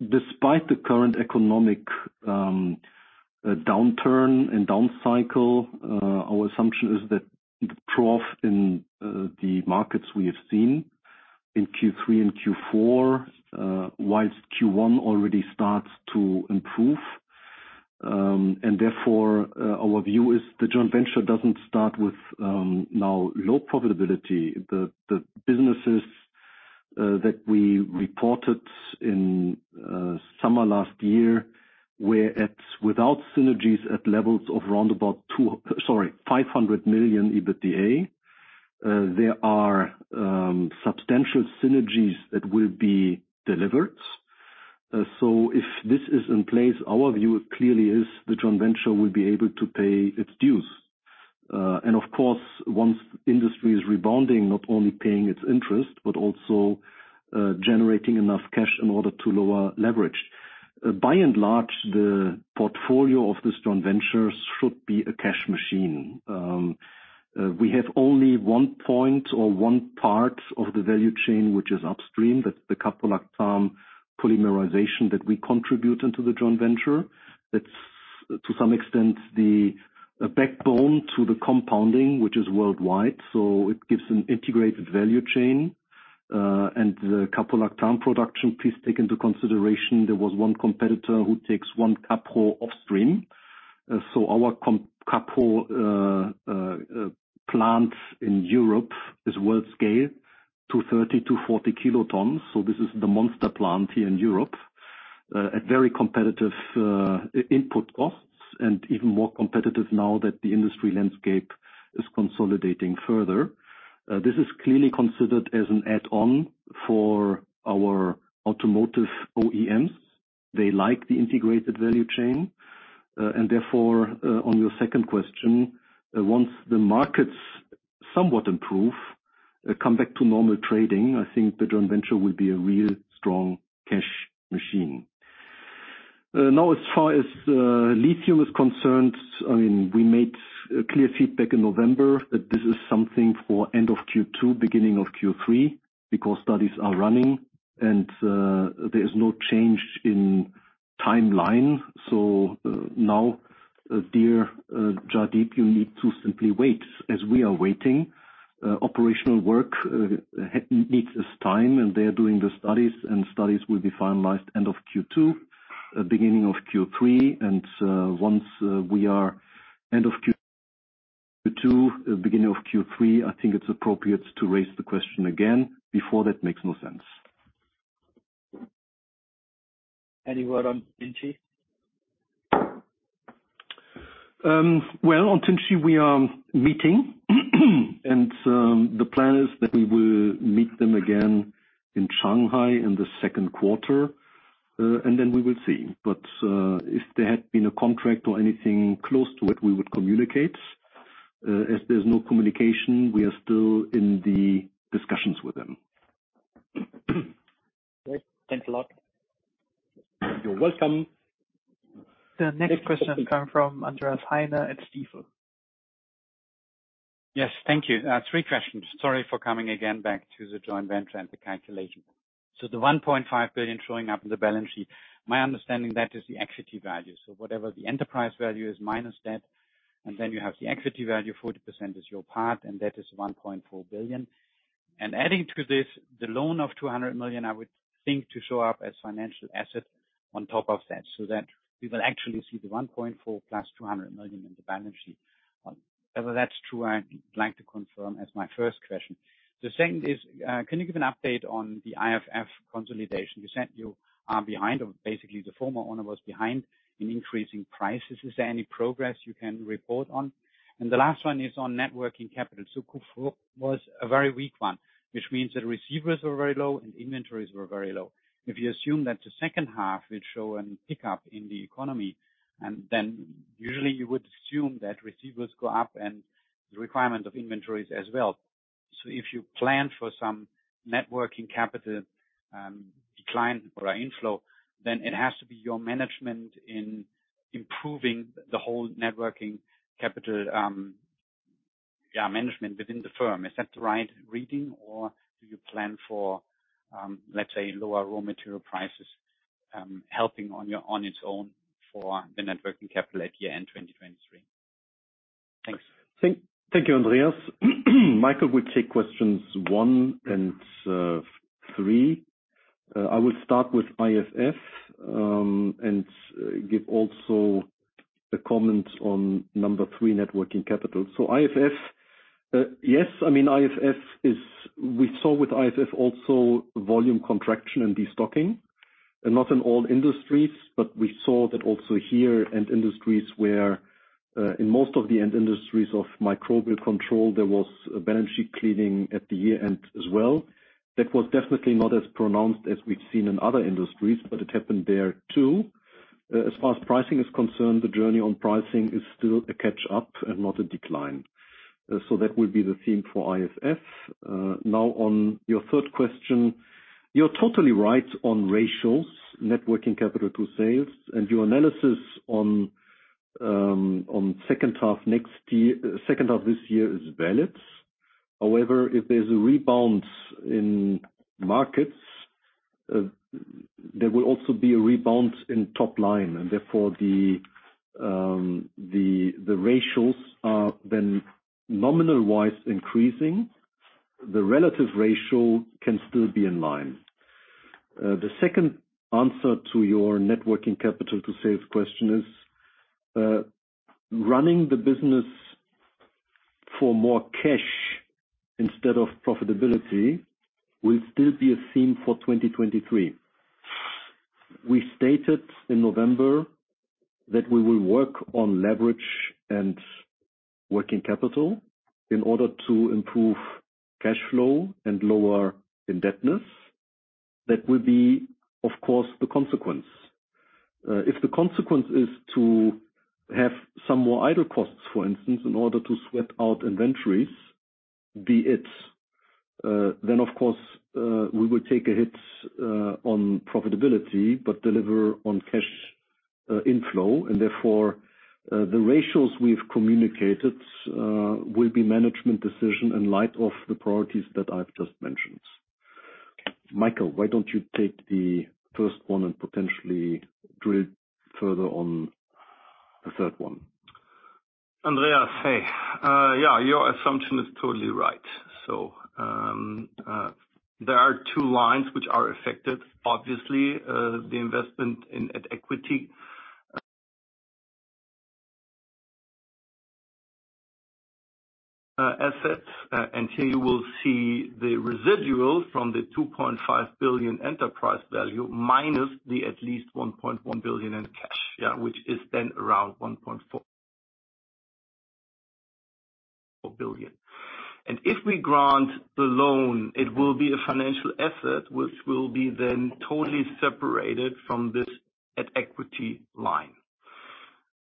despite the current economic downturn and down cycle, our assumption is that the trough in the markets we have seen in Q3 and Q4, whilst Q1 already starts to improve. Therefore, our view is the joint venture doesn't start with now low profitability. The businesses that we reported in summer last year were at, without synergies at levels of round about 500 million EBITDA. There are substantial synergies that will be delivered. If this is in place, our view clearly is the joint venture will be able to pay its dues. Of course, once industry is rebounding, not only paying its interest, but also, generating enough cash in order to lower leverage. By and large, the portfolio of this joint venture should be a cash machine. We have only one point or one part of the value chain, which is upstream. That's the caprolactam polymerization that we contribute into the joint venture. That's to some extent, the backbone to the compounding, which is worldwide. It gives an integrated value chain. The caprolactam production, please take into consideration, there was one competitor who takes one capro off stream. Our capro plant in Europe is world scale, 230 kilotons-240 kilotons. This is the monster plant here in Europe, at very competitive input costs, and even more competitive now that the industry landscape is consolidating further. This is clearly considered as an add-on for our automotive OEMs. They like the integrated value chain. Therefore, on your second question, once the markets somewhat improve, come back to normal trading, I think the joint venture will be a real strong cash machine. As far as lithium is concerned, I mean, we made a clear feedback in November that this is something for end of Q2, beginning of Q3, because studies are running and there is no change in timeline. Now, dear Jaideep, you need to simply wait as we are waiting. Operational work needs its time, and they are doing the studies, and studies will be finalized end of Q2, beginning of Q3. Once, we are end of Q2, beginning of Q3, I think it's appropriate to raise the question again. Before that makes no sense. Any word on Tinci? Well, on Tinci we are meeting. The plan is that we will meet them again in Shanghai in the second quarter, and then we will see. If there had been a contract or anything close to it, we would communicate. As there's no communication, we are still in the discussions with them. Great. Thanks a lot. You're welcome. The next question come from Andreas Heine at Stifel. Yes. Thank you. Three questions. Sorry for coming again back to the joint venture and the calculation. The 1.5 billion showing up in the balance sheet, my understanding that is the equity value. Whatever the enterprise value is minus that, and then you have the equity value, 40% is your part, and that is 1.4 billion. Adding to this, the loan of 200 million, I would think to show up as financial asset on top of that, so that we will actually see the 1.4 billion plus 200 million in the balance sheet. If that's true, I'd like to confirm as my first question. The second is, can you give an update on the IFF consolidation? You said you are behind or basically the former owner was behind in increasing prices. Is there any progress you can report on? The last one is on net working capital. Q4 was a very weak one, which means the receivers were very low and inventories were very low. If you assume that the second half will show a pickup in the economy, usually you would assume that receivers go up and the requirement of inventories as well. If you plan for some net working capital decline or inflow, then it has to be your management in improving the whole net working capital management within the firm. Is that the right reading or do you plan for, let's say, lower raw material prices helping on your, on its own for the net working capital at year-end 2023? Thanks. Thank you, Andreas. Michael will take questions one and three. I will start with IFF and give also a comment on number three, net working capital. IFF, yes, I mean, IFF is, we saw with IFF also volume contraction and destocking, and not in all industries, but we saw that also here end industries where, in most of the end industries of Microbial Control, there was a balance sheet cleaning at the year-end as well. That was definitely not as pronounced as we've seen in other industries, but it happened there too. As far as pricing is concerned, the journey on pricing is still a catch up and not a decline. That will be the theme for IFF. Now on your third question, you're totally right on ratios, net working capital to sales, and your analysis on second half this year is valid. If there's a rebound in markets, there will also be a rebound in top line, and therefore the ratios are then nominal-wise increasing, the relative ratio can still be in line. The second answer to your net working capital to sales question is running the business for more cash instead of profitability will still be a theme for 2023. We stated in November that we will work on leverage and working capital in order to improve cash flow and lower indebtedness. That will be, of course, the consequence. If the consequence is to have some more idle costs, for instance, in order to sweat out inventories, be it, then of course, we will take a hit on profitability but deliver on cash inflow. Therefore, the ratios we've communicated will be management decision in light of the priorities that I've just mentioned. Michael, why don't you take the first one and potentially drill further on the third one. Andreas, hey. Yeah, your assumption is totally right. There are two lines which are affected, obviously, the investment in at equity. Assets, and here you will see the residual from the 2.5 billion enterprise value minus the at least 1.1 billion in cash, yeah, which is then around 1.4 billion. If we grant the loan, it will be a financial asset, which will be then totally separated from this at equity line.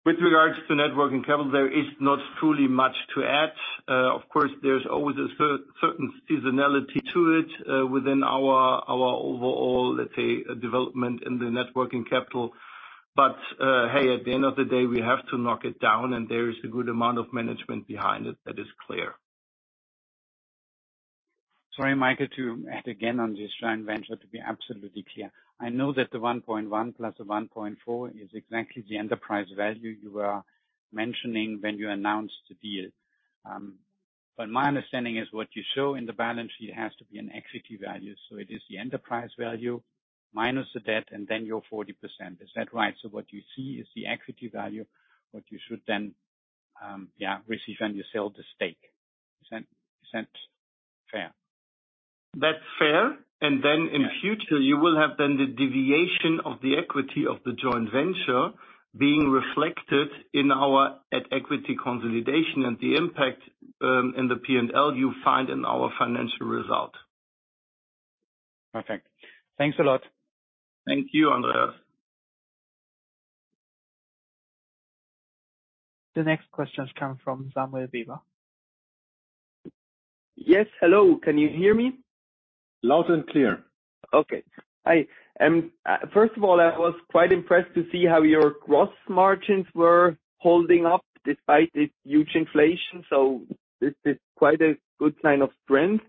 With regards to net working capital, there is not truly much to add. Of course, there's always a certain seasonality to it, within our overall, let's say, development in the net working capital. Hey, at the end of the day, we have to knock it down and there is a good amount of management behind it. That is clear. Sorry, Michael, to add again on this joint venture to be absolutely clear. I know that the 1.1 plus the 1.4 is exactly the enterprise value you were mentioning when you announced the deal. My understanding is what you show in the balance sheet has to be an equity value. It is the enterprise value minus the debt and then your 40%. Is that right? What you see is the equity value, what you should then receive when you sell the stake. Is that, is that fair? That's fair. Then in future, you will have then the deviation of the equity of the joint venture being reflected in our at equity consolidation and the impact in the P&L you find in our financial result. Perfect. Thanks a lot. Thank you, Andreas. The next question is coming from Samuel Weber. Yes. Hello. Can you hear me? Loud and clear. Okay. I, first of all, I was quite impressed to see how your gross margins were holding up despite the huge inflation. This is quite a good sign of strength.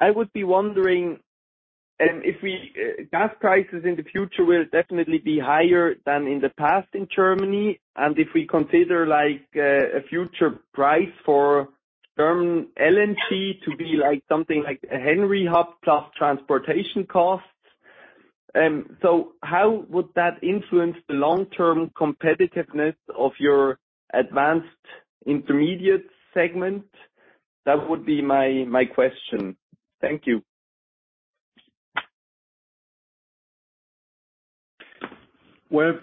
I would be wondering if we, gas prices in the future will definitely be higher than in the past in Germany, and if we consider, like, a future price for term LNG to be like something like a Henry Hub plus transportation costs. How would that influence the long-term competitiveness of your Advanced Intermediates segment? That would be my question. Thank you. Well,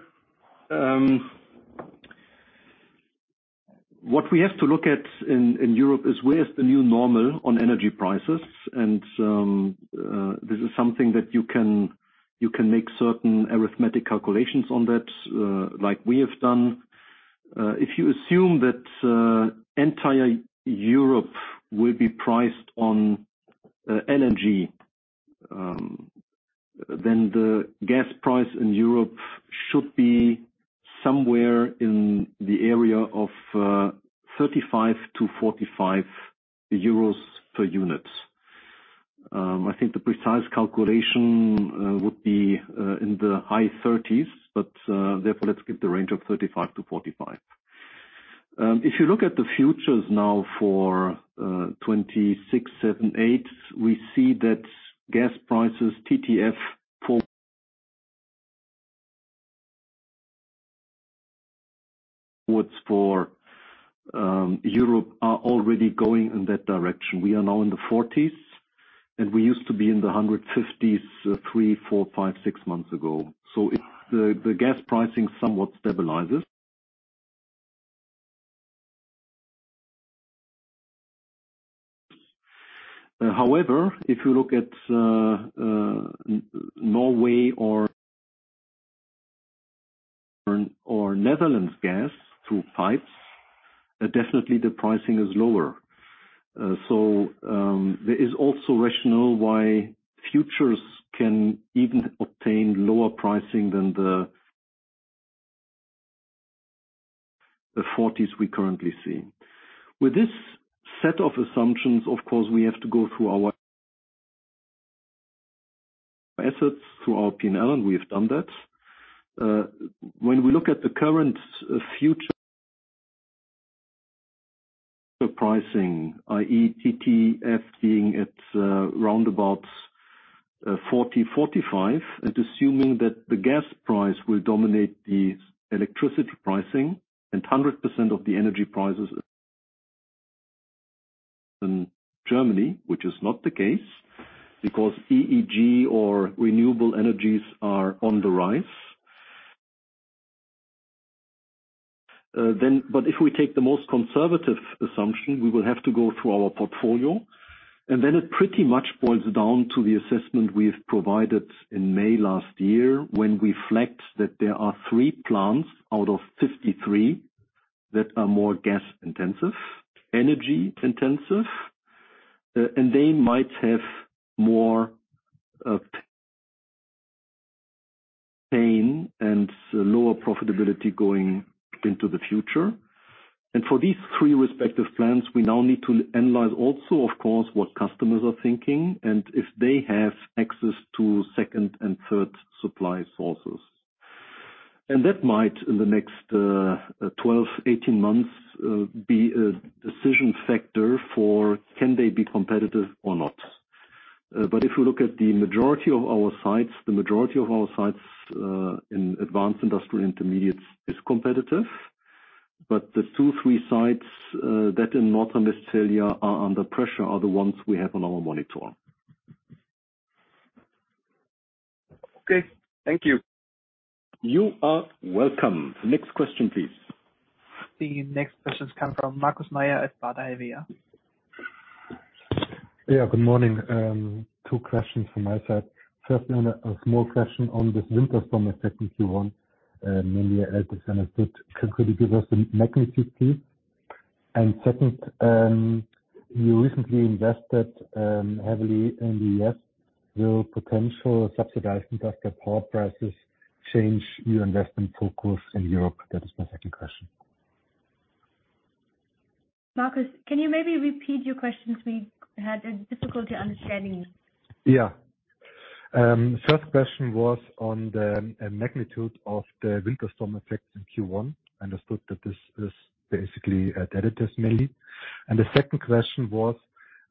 what we have to look at in Europe is where is the new normal on energy prices? This is something that you can make certain arithmetic calculations on that, like we have done. If you assume that, entire Europe will be priced on LNG, then the gas price in Europe should be somewhere in the area of, 35-45 euros per unit. I think the precise calculation, would be, in the high 30s, but, therefore, let's keep the range of 35-45. If you look at the futures now for, 2026, 2027, 2028, we see that gas prices TTF forwards for, Europe are already going in that direction. We are now in the 40s, and we used to be in the 150s, three, four, five, six months ago. If the gas pricing somewhat stabilizes. However, if you look at N-Norway or Netherlands gas through pipes, definitely the pricing is lower. There is also rationale why futures can even obtain lower pricing than the 40s we currently see. With this set of assumptions, of course, we have to go through our assets, through our P&L, and we have done that. When we look at the current future pricing, i.e. TTF being at round about 40-45, and assuming that the gas price will dominate the electricity pricing and 100% of the energy prices in Germany, which is not the case because Erneuerbare-Energien-Gesetz or renewable energies are on the rise. If we take the most conservative assumption, we will have to go through our portfolio, and then it pretty much boils down to the assessment we've provided in May last year, when we reflect that there are three plants out of 53 that are more gas-intensive, energy-intensive, and they might have more pain and lower profitability going into the future. For these three respective plants, we now need to analyze also, of course, what customers are thinking and if they have access to second and third supply sources. That might, in the next 12, 18 months, be a decision factor for can they be competitive or not. If you look at the majority of our sites, the majority of our sites in Advanced Industrial Intermediates is competitive. The two, three sites, that in North Rhine-Westphalia are under pressure are the ones we have on our monitor. Okay. Thank you. You are welcome. Next question, please. The next question comes from Markus Mayer at Baader Helvea. Yeah, good morning. Two questions from my side. First one, a small question on this winter storm effect in Q1. Maybe as percentage, could you give us the magnitude, please? Second, you recently invested heavily in the Spain. Will potential subsidized industrial power prices change your investment focus in Europe? That is my second question. Markus, can you maybe repeat your questions? We had a difficulty understanding you. First question was on the magnitude of the winter storm effects in Q1. Understood that this is basically derivatives mainly. The second question was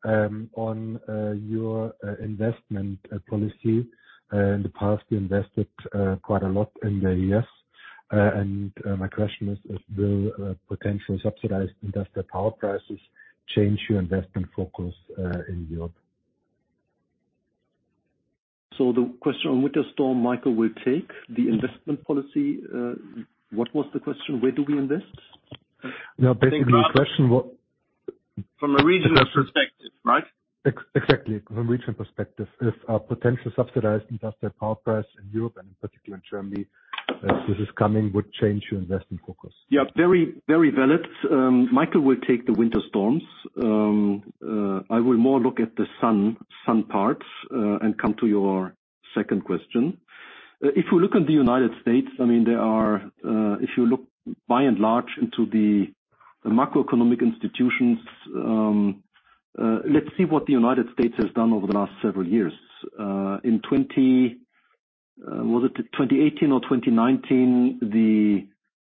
on your investment policy. In the past, you invested quite a lot in the Spain. My question is, will potential subsidized industrial power prices change your investment focus in Europe? The question on winter storm, Michael will take. The investment policy, what was the question? Where do we invest? No, basically the question. From a regional perspective, right? Exactly. From a regional perspective. If a potential subsidized industrial power price in Europe and in particular Germany, if this is coming, would change your investment focus? Very, very valid. Michael will take the winter storms. I will more look at the sun parts, come to your second question. If we look in the United States, I mean, there are, if you look by and large into the macroeconomic institutions, let's see what the United States has done over the last several years. In 20, was it 2018 or 2019? The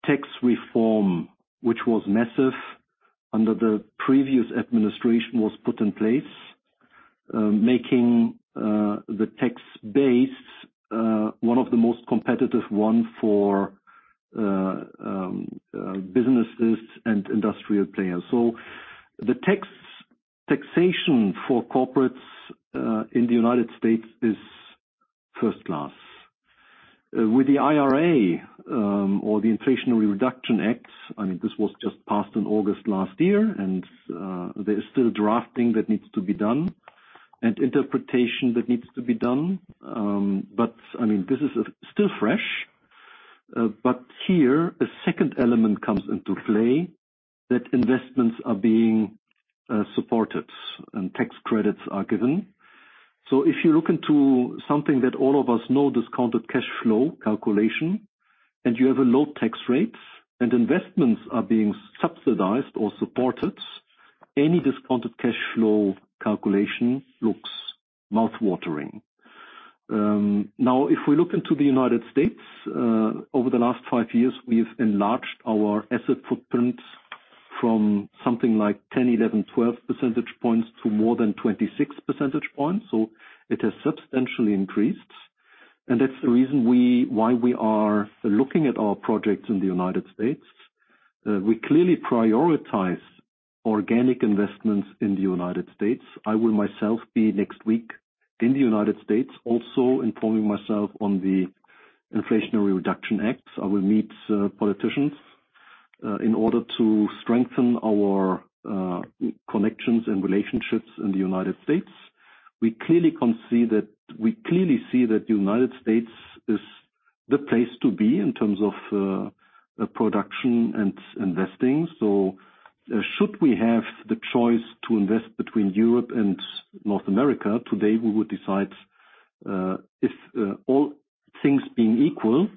tax reform, which was massive under the previous administration, was put in place, making the tax base, one of the most competitive one for businesses and industrial players. The tax taxation for corporates, in the United States is first class. With the IRA, or the Inflation Reduction Act, I think this was just passed in August last year, there is still drafting that needs to be done and interpretation that needs to be done. I mean, this is still fresh. Here a second element comes into play, that investments are being supported and tax credits are given. If you look into something that all of us know, discounted cash flow calculation, and you have a low tax rates and investments are being subsidized or supported, any discounted cash flow calculation looks mouth-watering. Now, if we look into the United States, over the last five years, we've enlarged our asset footprint from something like 10, 11, 12 percentage points to more than 26 percentage points. It has substantially increased, and that's the reason why we are looking at our projects in the United States. We clearly prioritize organic investments in the United States. I will myself be next week in the United States, also informing myself on the Inflation Reduction Act. I will meet politicians in order to strengthen our connections and relationships in the United States. We clearly see that United States is the place to be in terms of production and investing. Should we have the choice to invest between Europe and North America, today we would decide, if all things being equal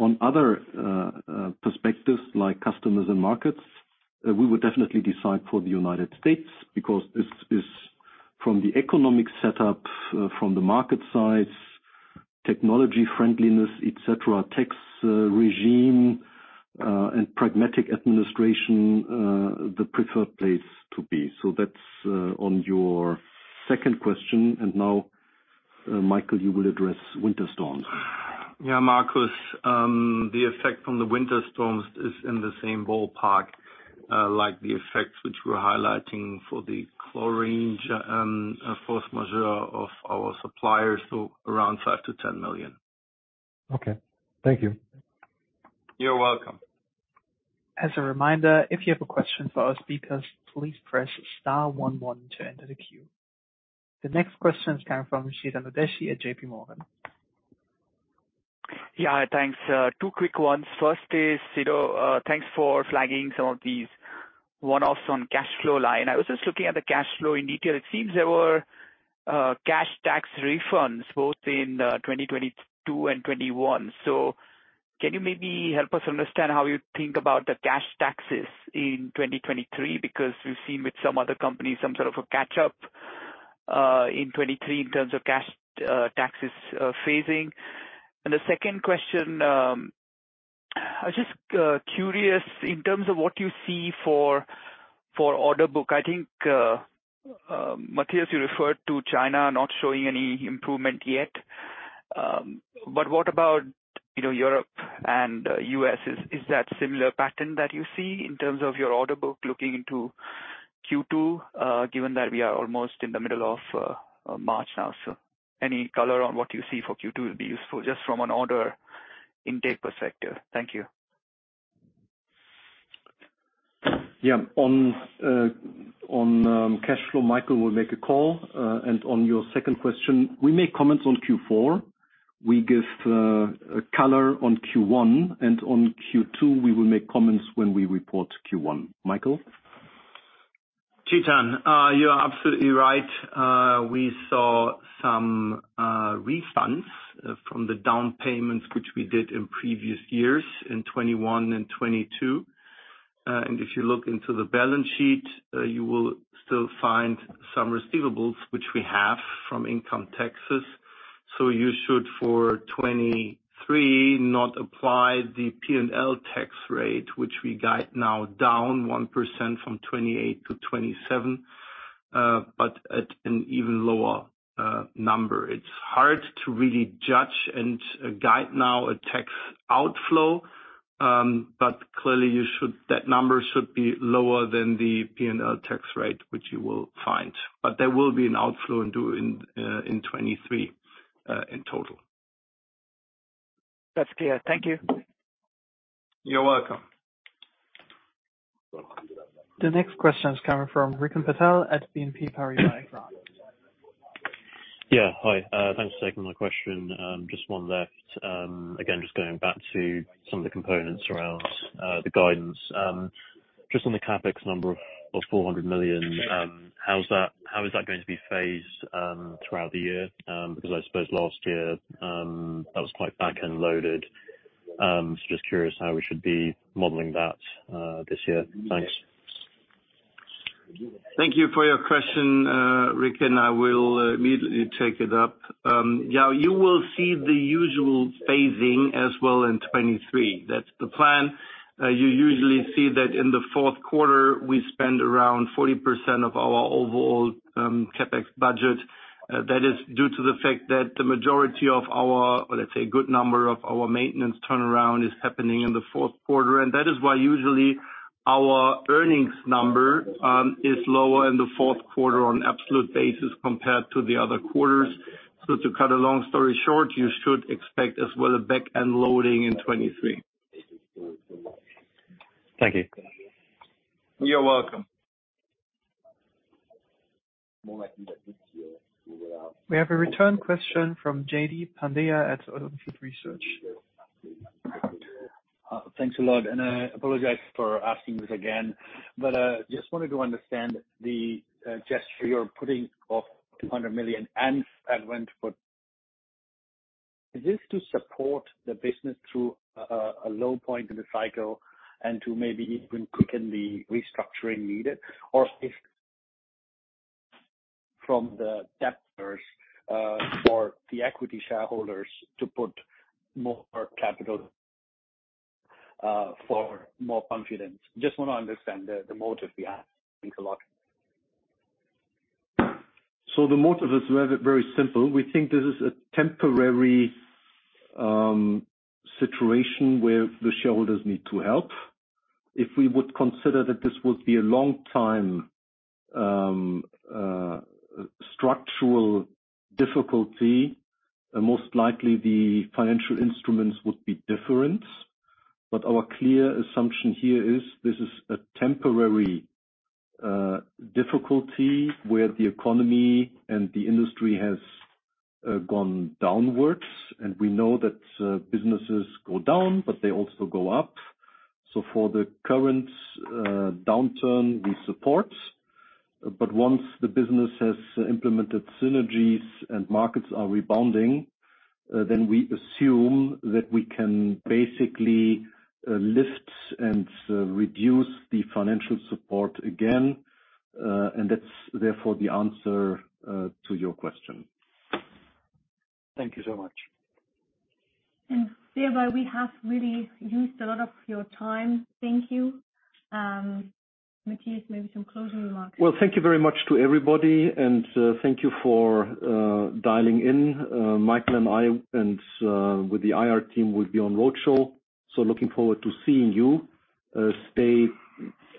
on other perspectives like customers and markets, we would definitely decide for the United States because this is from the economic setup, from the market size, technology friendliness, et cetera, tax regime, and pragmatic administration, the preferred place to be. That's on your second question. Now, Michael, you will address winter storms. Yeah, Markus. The effect from the winter storms is in the same ballpark, like the effects which we're highlighting for the chlorine force majeure of our suppliers. Around 5 million-10 million. Okay. Thank you. You're welcome. As a reminder, if you have a question for our speakers, please press star one one to enter the queue. The next question is coming from Chetan Udeshi at J.P. Morgan. Yeah. Thanks. Two quick ones. First is, you know, thanks for flagging some of these one-offs on cash flow line. I was just looking at the cash flow in detail. It seems there were cash tax refunds both in 2022 and 2021. Can you maybe help us understand how you think about the cash taxes in 2023? Because we've seen with some other companies some sort of a catch-up in 2023 in terms of cash taxes phasing. The second question, I was just curious in terms of what you see for order book. I think Matthias, you referred to China not showing any improvement yet. What about, you know, Europe and U.S.? Is that similar pattern that you see in terms of your order book looking into Q2, given that we are almost in the middle of March now? Any color on what you see for Q2 will be useful just from an order intake perspective. Thank you. Yeah. On, on cash flow, Michael will make a call. On your second question, we make comments on Q4. We give, a color on Q1, and on Q2, we will make comments when we report Q1. Michael. Chetan, you are absolutely right. We saw some refunds from the down payments which we did in previous years, in 2021 and 2022. If you look into the balance sheet, you will still find some receivables which we have from income taxes. You should for 2023 not apply the P&L tax rate, which we guide now down 1% from 28% to 27%. At an even lower number. It's hard to really judge and guide now a tax outflow, clearly that number should be lower than the P&L tax rate, which you will find. There will be an outflow in 2023, in total. That's clear. Thank you. You're welcome. The next question is coming from Rikin Patel at BNP Paribas. Hi. Thanks for taking my question. Just one left. Again, just going back to some of the components around the guidance. Just on the CapEx number of 400 million, how is that going to be phased throughout the year? Because I suppose last year, that was quite back-end loaded. Just curious how we should be modeling that this year. Thanks. Thank you for your question, Rikin. I will immediately take it up. You will see the usual phasing as well in 2023. That's the plan. You usually see that in the fourth quarter, we spend around 40% of our overall CapEx budget. That is due to the fact that the majority of our good number of our maintenance turnaround is happening in the fourth quarter. That is why usually our earnings number is lower in the fourth quarter on absolute basis compared to the other quarters. To cut a long story short, you should expect as well a back-end loading in 2023. Thank you. You're welcome. We have a return question from Jaideep Pandya at On Field Investment Research. Thanks a lot, and I apologize for asking this again. Just wanted to understand the gesture you're putting of 200 million and Advent put. Is this to support the business through a low point in the cycle and to maybe even quicken the restructuring needed? Or is from the debtors for the equity shareholders to put more capital for more confidence? Just wanna understand the motive behind. Thanks a lot. The motive is very, very simple. We think this is a temporary situation where the shareholders need to help. If we would consider that this would be a long time structural difficulty, most likely the financial instruments would be different. Our clear assumption here is this is a temporary difficulty where the economy and the industry has gone downwards. We know that businesses go down, but they also go up. For the current downturn, we support. Once the business has implemented synergies and markets are rebounding, then we assume that we can basically lift and reduce the financial support again. That's therefore the answer to your question. Thank you so much. Thereby, we have really used a lot of your time. Thank you. Matthias, maybe some closing remarks. Well, thank you very much to everybody. Thank you for dialing in. Michael and I and with the IR team will be on road show, looking forward to seeing you. Stay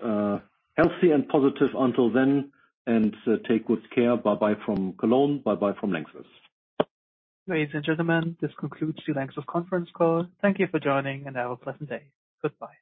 healthy and positive until then. Take good care. Bye-bye from Cologne. Bye-bye from LANXESS. Ladies and gentlemen, this concludes the LANXESS conference call. Thank you for joining, and have a pleasant day. Goodbye.